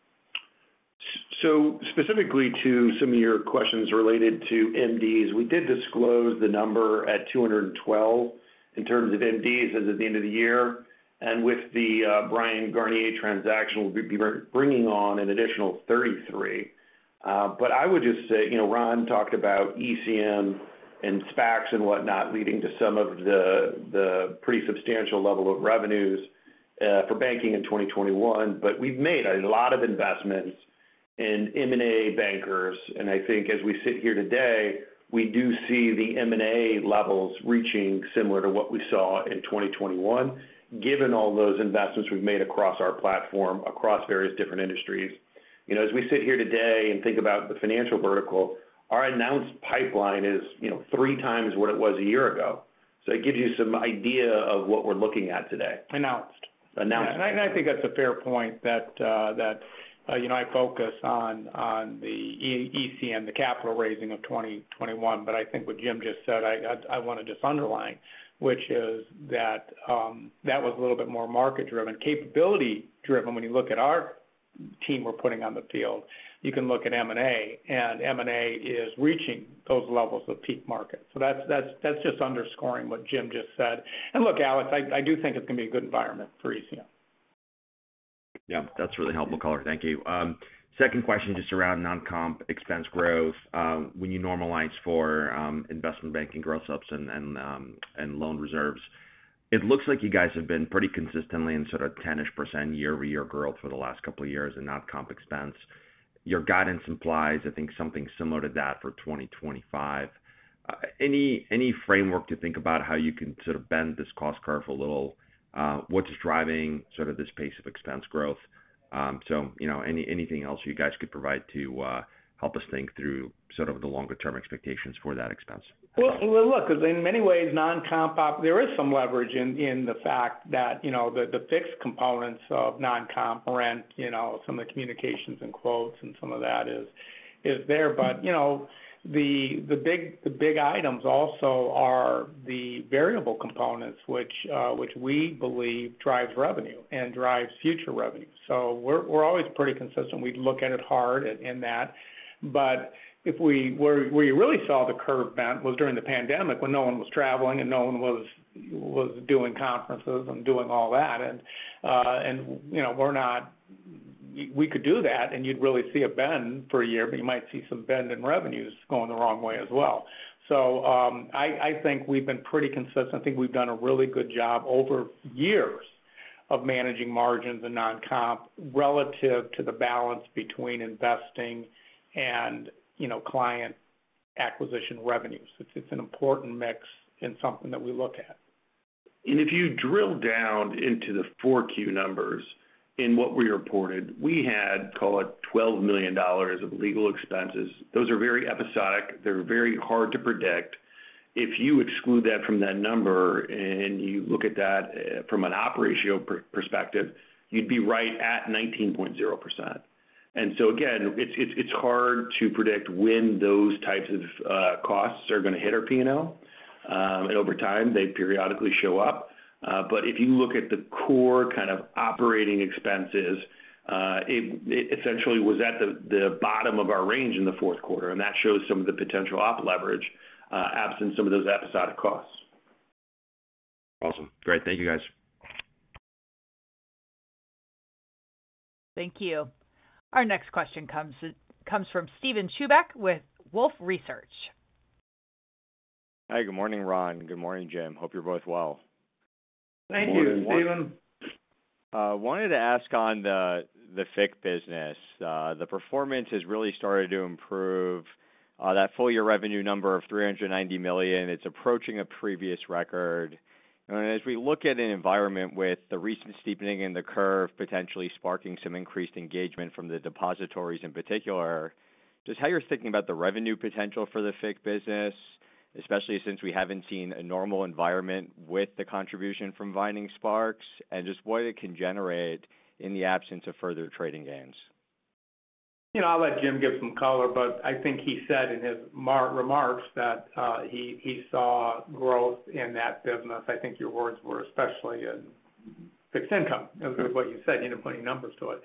So specifically to some of your questions related to MDs, we did disclose the number at 212 in terms of MDs as of the end of the year. With the Bryan Garnier transaction, we'll be bringing on an additional 33. But I would just say Ron talked about ECM and SPACs and whatnot, leading to some of the pretty substantial level of revenues for banking in 2021. But we've made a lot of investments in M&A bankers. I think as we sit here today, we do see the M&A levels reaching similar to what we saw in 2021, given all those investments we've made across our platform, across various different industries. As we sit here today and think about the financial vertical, our announced pipeline is three times what it was a year ago. So it gives you some idea of what we're looking at today. Announced. I think that's a fair point that I focus on the ECM, the capital raising of 2021. But I think what Jim just said, I want to just underline, which is that that was a little bit more market-driven, capability-driven when you look at our team we're putting on the field. You can look at M&A, and M&A is reaching those levels of peak market. So that's just underscoring what Jim just said. And look, Alex, I do think it's going to be a good environment for ECM. Yeah. That's really helpful, color. Thank you. Second question just around non-comp expense growth. When you normalize for investment banking gross-ups and loan reserves, it looks like you guys have been pretty consistently in sort of 10-ish% year-over-year growth for the last couple of years in non-comp expense. Your guidance implies, I think, something similar to that for 2025. Any framework to think about how you can sort of bend this cost curve a little? What's driving sort of this pace of expense growth? So anything else you guys could provide to help us think through sort of the longer-term expectations for that expense? Well, look, in many ways, non-comp, there is some leverage in the fact that the fixed components of non-comp. Rent, some of the communications and quotes and some of that is there. But the big items also are the variable components, which we believe drives revenue and drives future revenue. So we're always pretty consistent. We look at it hard in that. But where you really saw the curve bent was during the pandemic when no one was traveling and no one was doing conferences and doing all that. And we could do that, and you'd really see a bend for a year, but you might see some bend in revenues going the wrong way as well. So I think we've been pretty consistent. I think we've done a really good job over years of managing margins and non-comp relative to the balance between investing and client acquisition revenues. It's an important mix and something that we look at. And if you drill down into the four Q numbers in what we reported, we had, call it, $12 million of legal expenses. Those are very episodic. They're very hard to predict. If you exclude that from that number and you look at that from an operational perspective, you'd be right at 19.0%. And so again, it's hard to predict when those types of costs are going to hit our P&L. And over time, they periodically show up. But if you look at the core kind of operating expenses, it essentially was at the bottom of our range in the fourth quarter. And that shows some of the potential op leverage absent some of those episodic costs. Awesome. Great. Thank you, guys. Thank you. Our next question comes from Steven Chubak with Wolfe Research. Hi. Good morning, Ron. Good morning, Jim. Hope you're both well. Thank you. Steven. Wanted to ask on the FICC business. The performance has really started to improve. That full-year revenue number of $390 million, it's approaching a previous record. And as we look at an environment with the recent steepening in the curve potentially sparking some increased engagement from the depositories in particular, just how you're thinking about the revenue potential for the FICC business, especially since we haven't seen a normal environment with the contribution from Vining Sparks, and just what it can generate in the absence of further trading gains. I'll let Jim give some color, but I think he said in his remarks that he saw growth in that business. I think your words were especially in fixed income, what you said, putting numbers to it.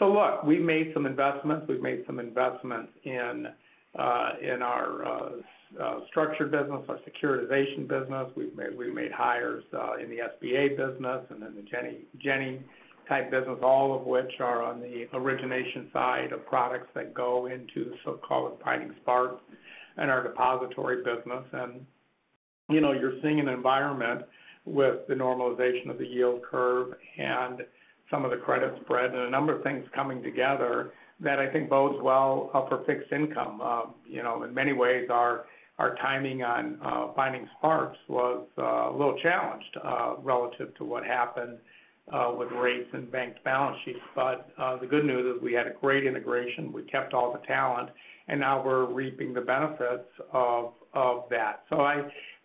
So look, we've made some investments. We've made some investments in our structured business, our securitization business. We've made hires in the SBA business and then the Ginnie-type business, all of which are on the origination side of products that go into so-called Vining Sparks and our depository business. And you're seeing an environment with the normalization of the yield curve and some of the credit spread and a number of things coming together that I think bodes well for fixed income. In many ways, our timing on Vining Sparks was a little challenged relative to what happened with rates and banked balance sheets. But the good news is we had a great integration. We kept all the talent, and now we're reaping the benefits of that. So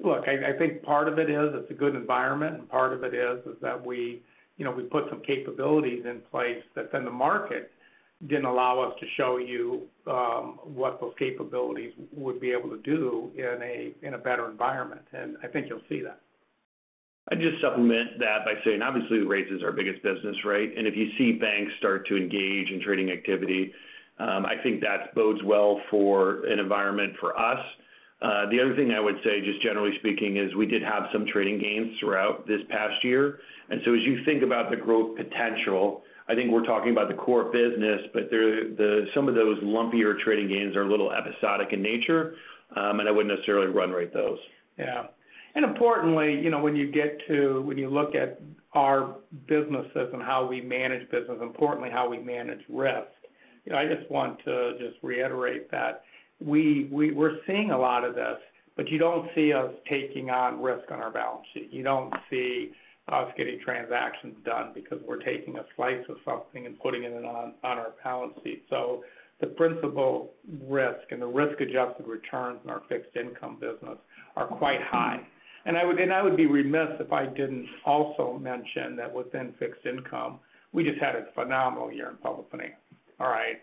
look, I think part of it is it's a good environment, and part of it is that we put some capabilities in place that then the market didn't allow us to show you what those capabilities would be able to do in a better environment. And I think you'll see that. I'd just supplement that by saying, obviously, the rates is our biggest business, right? And if you see banks start to engage in trading activity, I think that bodes well for an environment for us. The other thing I would say, just generally speaking, is we did have some trading gains throughout this past year. And so as you think about the growth potential, I think we're talking about the core business, but some of those lumpier trading gains are a little episodic in nature, and I wouldn't necessarily run rate those. Yeah. And importantly, when you look at our businesses and how we manage business, importantly, how we manage risk, I just want to reiterate that we're seeing a lot of this, but you don't see us taking on risk on our balance sheet. You don't see us getting transactions done because we're taking a slice of something and putting it on our balance sheet. So the principal risk and the risk-adjusted returns in our fixed income business are quite high. And I would be remiss if I didn't also mention that within fixed income, we just had a phenomenal year in public finance, all right?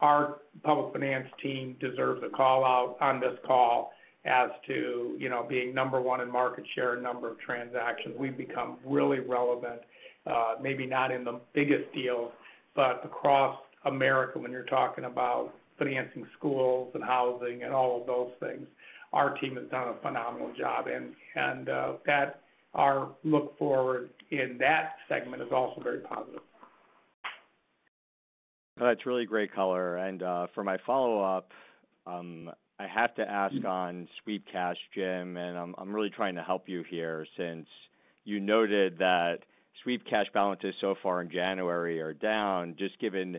Our public finance team deserves a call out on this call as to being number one in market share and number of transactions. We've become really relevant, maybe not in the biggest deals, but across America, when you're talking about financing schools and housing and all of those things, our team has done a phenomenal job. Our look forward in that segment is also very positive. That's really great, color. For my follow-up, I have to ask on Sweep Cash, Jim, and I'm really trying to help you here since you noted that Sweep Cash balances so far in January are down. Just given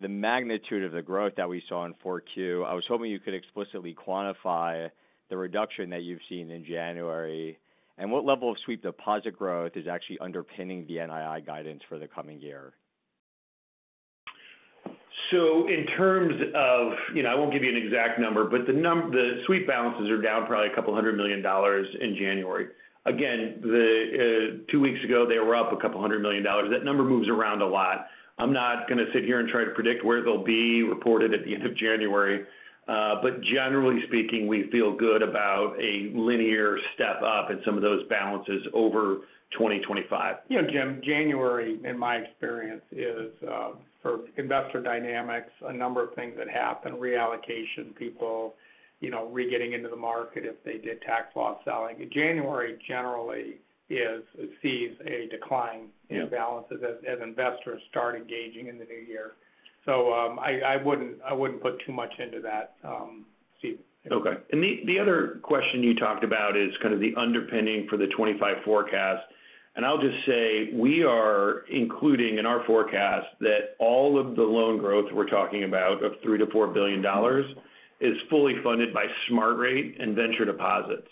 the magnitude of the growth that we saw in 4Q, I was hoping you could explicitly quantify the reduction that you've seen in January. What level of Sweep deposit growth is actually underpinning the NII guidance for the coming year? In terms of, I won't give you an exact number, but the Sweep balances are down probably $200 million in January. Again, two weeks ago, they were up $200 million. That number moves around a lot. I'm not going to sit here and try to predict where they'll be reported at the end of January. But generally speaking, we feel good about a linear step up in some of those balances over 2025. Jim, January, in my experience, is, for investor dynamics, a number of things that happen, reallocation, people re-getting into the market if they did tax loss selling. January generally sees a decline in balances as investors start engaging in the new year. I wouldn't put too much into that, Steven. Okay. The other question you talked about is kind of the underpinning for the 2025 forecast. I'll just say we are including in our forecast that all of the loan growth we're talking about of $3 billion-$4 billion is fully funded by Smart Rate and venture deposits.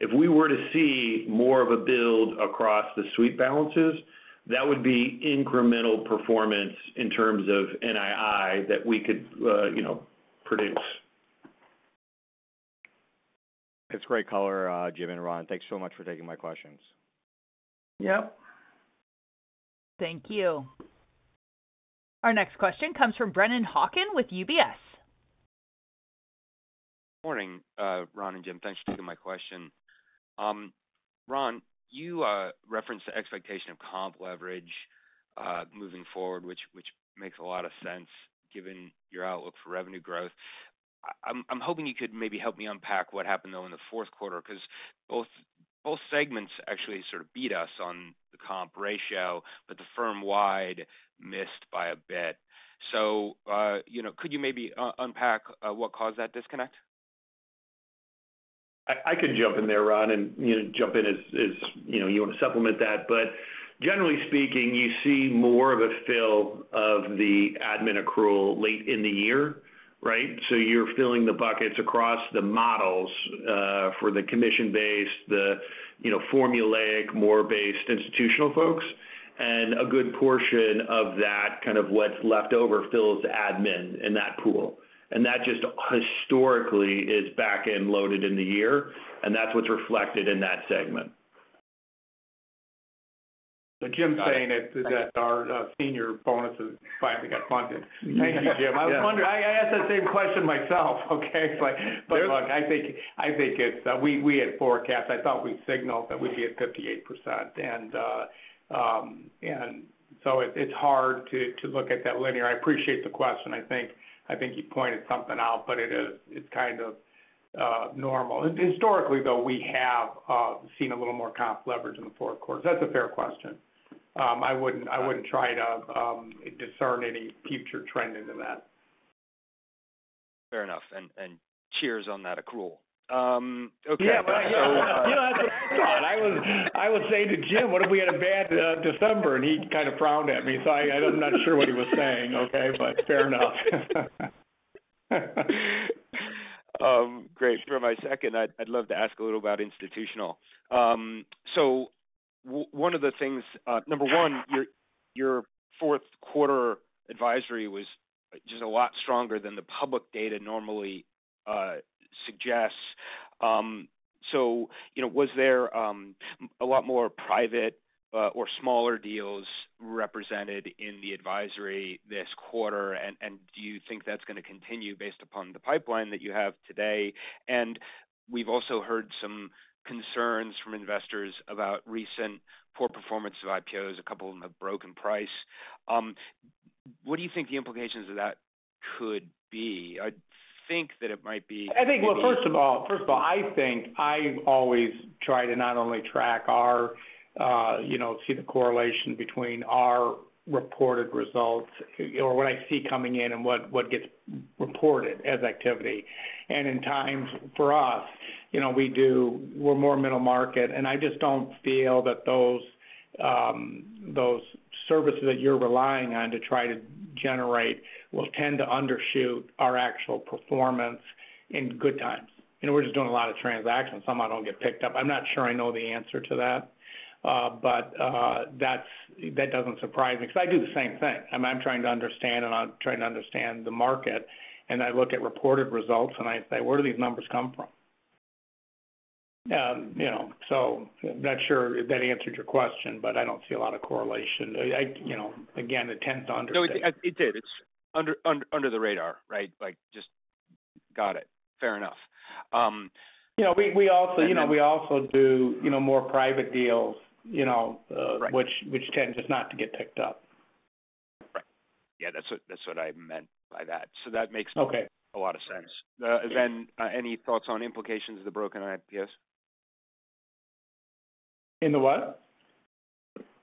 If we were to see more of a build across the Sweep balances, that would be incremental performance in terms of NII that we could produce. That's great color, Jim, and Ron. Thanks so much for taking my questions. Yep. Thank you. Our next question comes from Brennan Hawken with UBS. Good morning, Ron and Jim. Thanks for taking my question. Ron, you referenced the expectation of comp leverage moving forward, which makes a lot of sense given your outlook for revenue growth. I'm hoping you could maybe help me unpack what happened, though, in the fourth quarter because both segments actually sort of beat us on the comp ratio, but the firm-wide missed by a bit. So could you maybe unpack what caused that disconnect? I could jump in there, Ron, and jump in as you want to supplement that. But generally speaking, you see more of a fill of the admin accrual late in the year, right? So you're filling the buckets across the models for the commission-based, the formulaic, M&A-based institutional folks. And a good portion of that kind of what's left over fills admin in that pool. And that just historically is back-loaded in the year, and that's what's reflected in that segment. But Jim's saying that our senior bonuses finally got funded. Thank you, Jim. I asked that same question myself, okay? But look, I think we had forecast. I thought we signaled that we'd be at 58%. And so it's hard to look at that linearly. I appreciate the question. I think you pointed something out, but it's kind of normal. Historically, though, we have seen a little more comp leverage in the fourth quarter. So that's a fair question. I wouldn't try to discern any future trend into that. Fair enough. And cheers on that accrual. Okay. Yeah. Well, yeah. You know that's what I thought. I was saying to Jim, "What if we had a bad December?" And he kind of frowned at me. So I'm not sure what he was saying, okay? But fair enough. Great. For my second, I'd love to ask a little about institutional. So one of the things, number one, your fourth quarter advisory was just a lot stronger than the public data normally suggests. So was there a lot more private or smaller deals represented in the advisory this quarter? Do you think that's going to continue based upon the pipeline that you have today? We've also heard some concerns from investors about recent poor performance of IPOs. A couple of them have broken price. What do you think the implications of that could be? I think, well. First of all, I think I've always tried to not only track our, see the correlation between our reported results or what I see coming in and what gets reported as activity. In times for us, we're more middle market. I just don't feel that those services that you're relying on to try to generate will tend to undershoot our actual performance in good times. We're just doing a lot of transactions. Some of them don't get picked up. I'm not sure I know the answer to that, but that doesn't surprise me because I do the same thing. I'm trying to understand the market. And I look at reported results, and I say, "Where do these numbers come from?" So I'm not sure if that answered your question, but I don't see a lot of correlation. Again, it tends to understate. It did. It's under the radar, right? Just got it. Fair enough. We also do more private deals, which tend just not to get picked up. Right. Yeah. That's what I meant by that. So that makes a lot of sense. Then any thoughts on implications of the broken IPOs? In the what?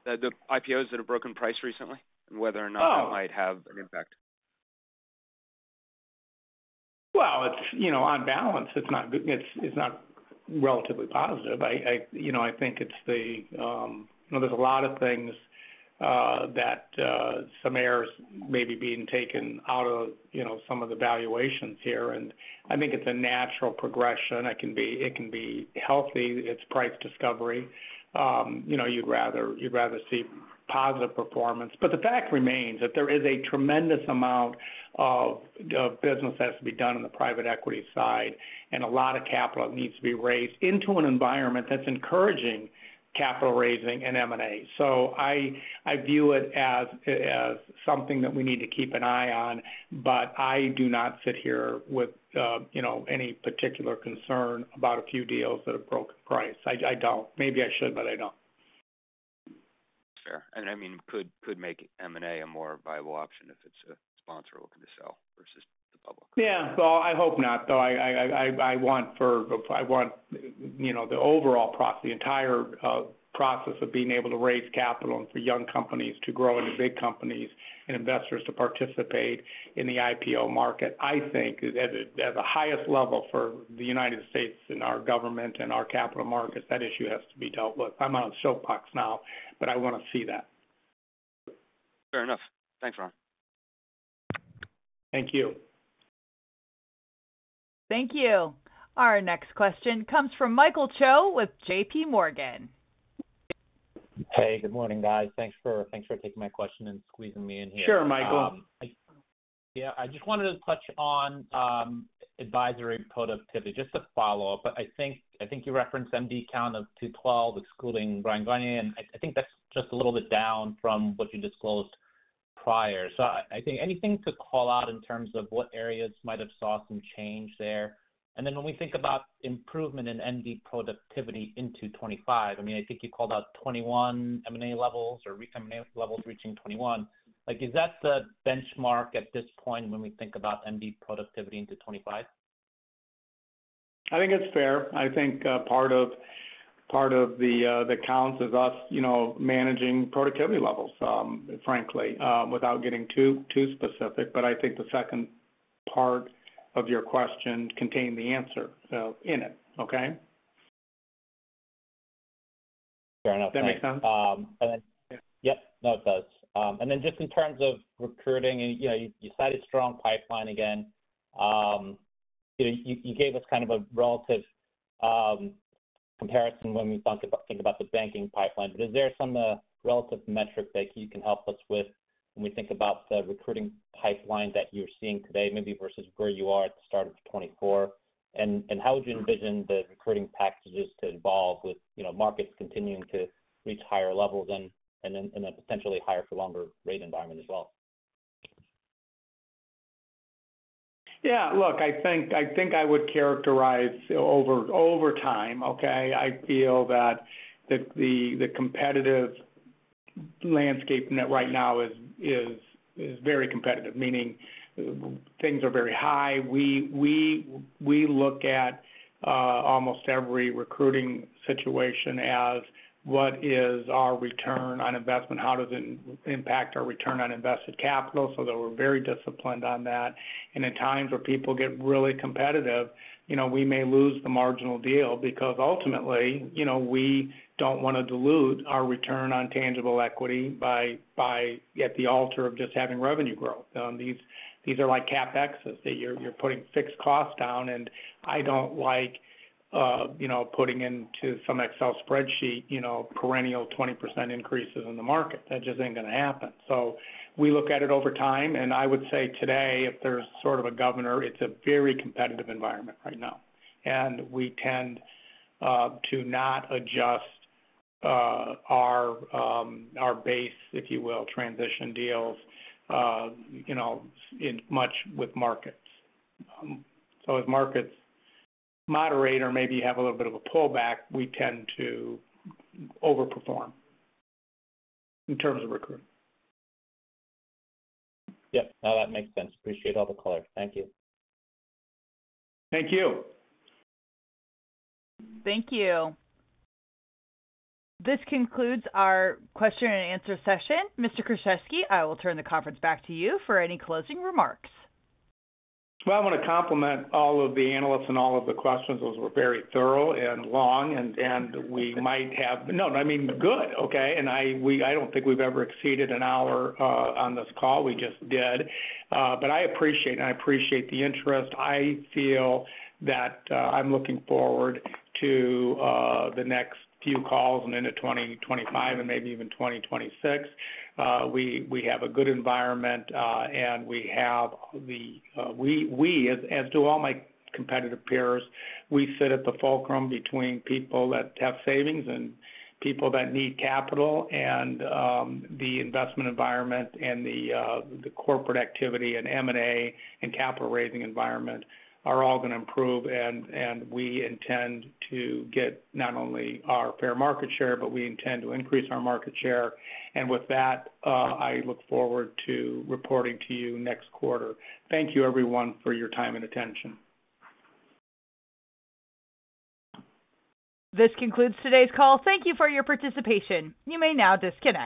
The IPOs that have broken price recently and whether or not that might have an impact. Well, on balance, it's not relatively positive. I think it's the, well, there's a lot of things that some air is being taken out of some of the valuations here, and I think it's a natural progression. It can be healthy. It's price discovery. You'd rather see positive performance, but the fact remains that there is a tremendous amount of business that has to be done on the private equity side, and a lot of capital needs to be raised into an environment that's encouraging capital raising and M&A, so I view it as something that we need to keep an eye on, but I do not sit here with any particular concern about a few deals that have broken price. I don't. Maybe I should, but I don't. Fair, and I mean, could make M&A a more viable option if it's a sponsor looking to sell versus the public. Yeah, well, I hope not, though. I want for the overall process, the entire process of being able to raise capital for young companies to grow into big companies and investors to participate in the IPO market, I think, at the highest level for the United States and our government and our capital markets, that issue has to be dealt with. I'm out of soapbox now, but I want to see that. Fair enough. Thanks, Ron. Thank you. Thank you. Our next question comes from Michael Choo with JPMorgan. Hey. Good morning, guys. Thanks for taking my question and squeezing me in here. Sure, Michael. Yeah. I just wanted to touch on advisory productivity, just a follow-up. But I think you referenced MD Count of 212, excluding Bryan Garnier. And I think that's just a little bit down from what you disclosed prior. So, I think anything to call out in terms of what areas might have saw some change there? And then, when we think about improvement in MD productivity into 2025, I mean, I think you called out 2021 M&A levels or recent M&A levels reaching 2021. Is that the benchmark at this point when we think about MD productivity into 2025? I think it's fair. I think part of the counts is us managing productivity levels, frankly, without getting too specific. But I think the second part of your question contained the answer in it, okay? Fair enough. That makes sense? And then, yep, no, it does. And then just in terms of recruiting, you cited strong pipeline again. You gave us kind of a relative comparison when we think about the banking pipeline. But is there some relative metric that you can help us with when we think about the recruiting pipeline that you're seeing today, maybe versus where you are at the start of 2024? And how would you envision the recruiting packages to evolve with markets continuing to reach higher levels and then potentially higher-for-longer rate environment as well? Yeah. Look, I think I would characterize over time, okay? I feel that the competitive landscape right now is very competitive, meaning things are very high. We look at almost every recruiting situation as what is our return on investment? How does it impact our return on invested capital? So we're very disciplined on that. And in times where people get really competitive, we may lose the marginal deal because ultimately, we don't want to dilute our return on tangible equity at the altar of just having revenue growth. These are like CapEx that you're putting fixed costs down. And I don't like putting into some Excel spreadsheet perennial 20% increases in the market. That just ain't going to happen. So we look at it over time. And I would say today, if there's sort of a governor, it's a very competitive environment right now. And we tend to not adjust our base, if you will, transition deals much with markets. So as markets moderate or maybe have a little bit of a pullback, we tend to overperform in terms of recruiting. Yep. No, that makes sense. Appreciate all the color. Thank you. Thank you. Thank you. This concludes our question-and-answer session. Mr. Kruszewski, I will turn the conference back to you for any closing remarks. Well, I want to compliment all of the analysts and all of the questions. Those were very thorough and long. And we might have - no, I mean, good, okay? And I don't think we've ever exceeded an hour on this call. We just did. But I appreciate it. And I appreciate the interest. I feel that I'm looking forward to the next few calls and into 2025 and maybe even 2026. We have a good environment, and we have the - we, as do all my competitive peers, we sit at the fulcrum between people that have savings and people that need capital. And the investment environment and the corporate activity and M&A and capital-raising environment are all going to improve. And we intend to get not only our fair market share, but we intend to increase our market share. And with that, I look forward to reporting to you next quarter. Thank you, everyone, for your time and attention. This concludes today's call. Thank you for your participation. You may now disconnect.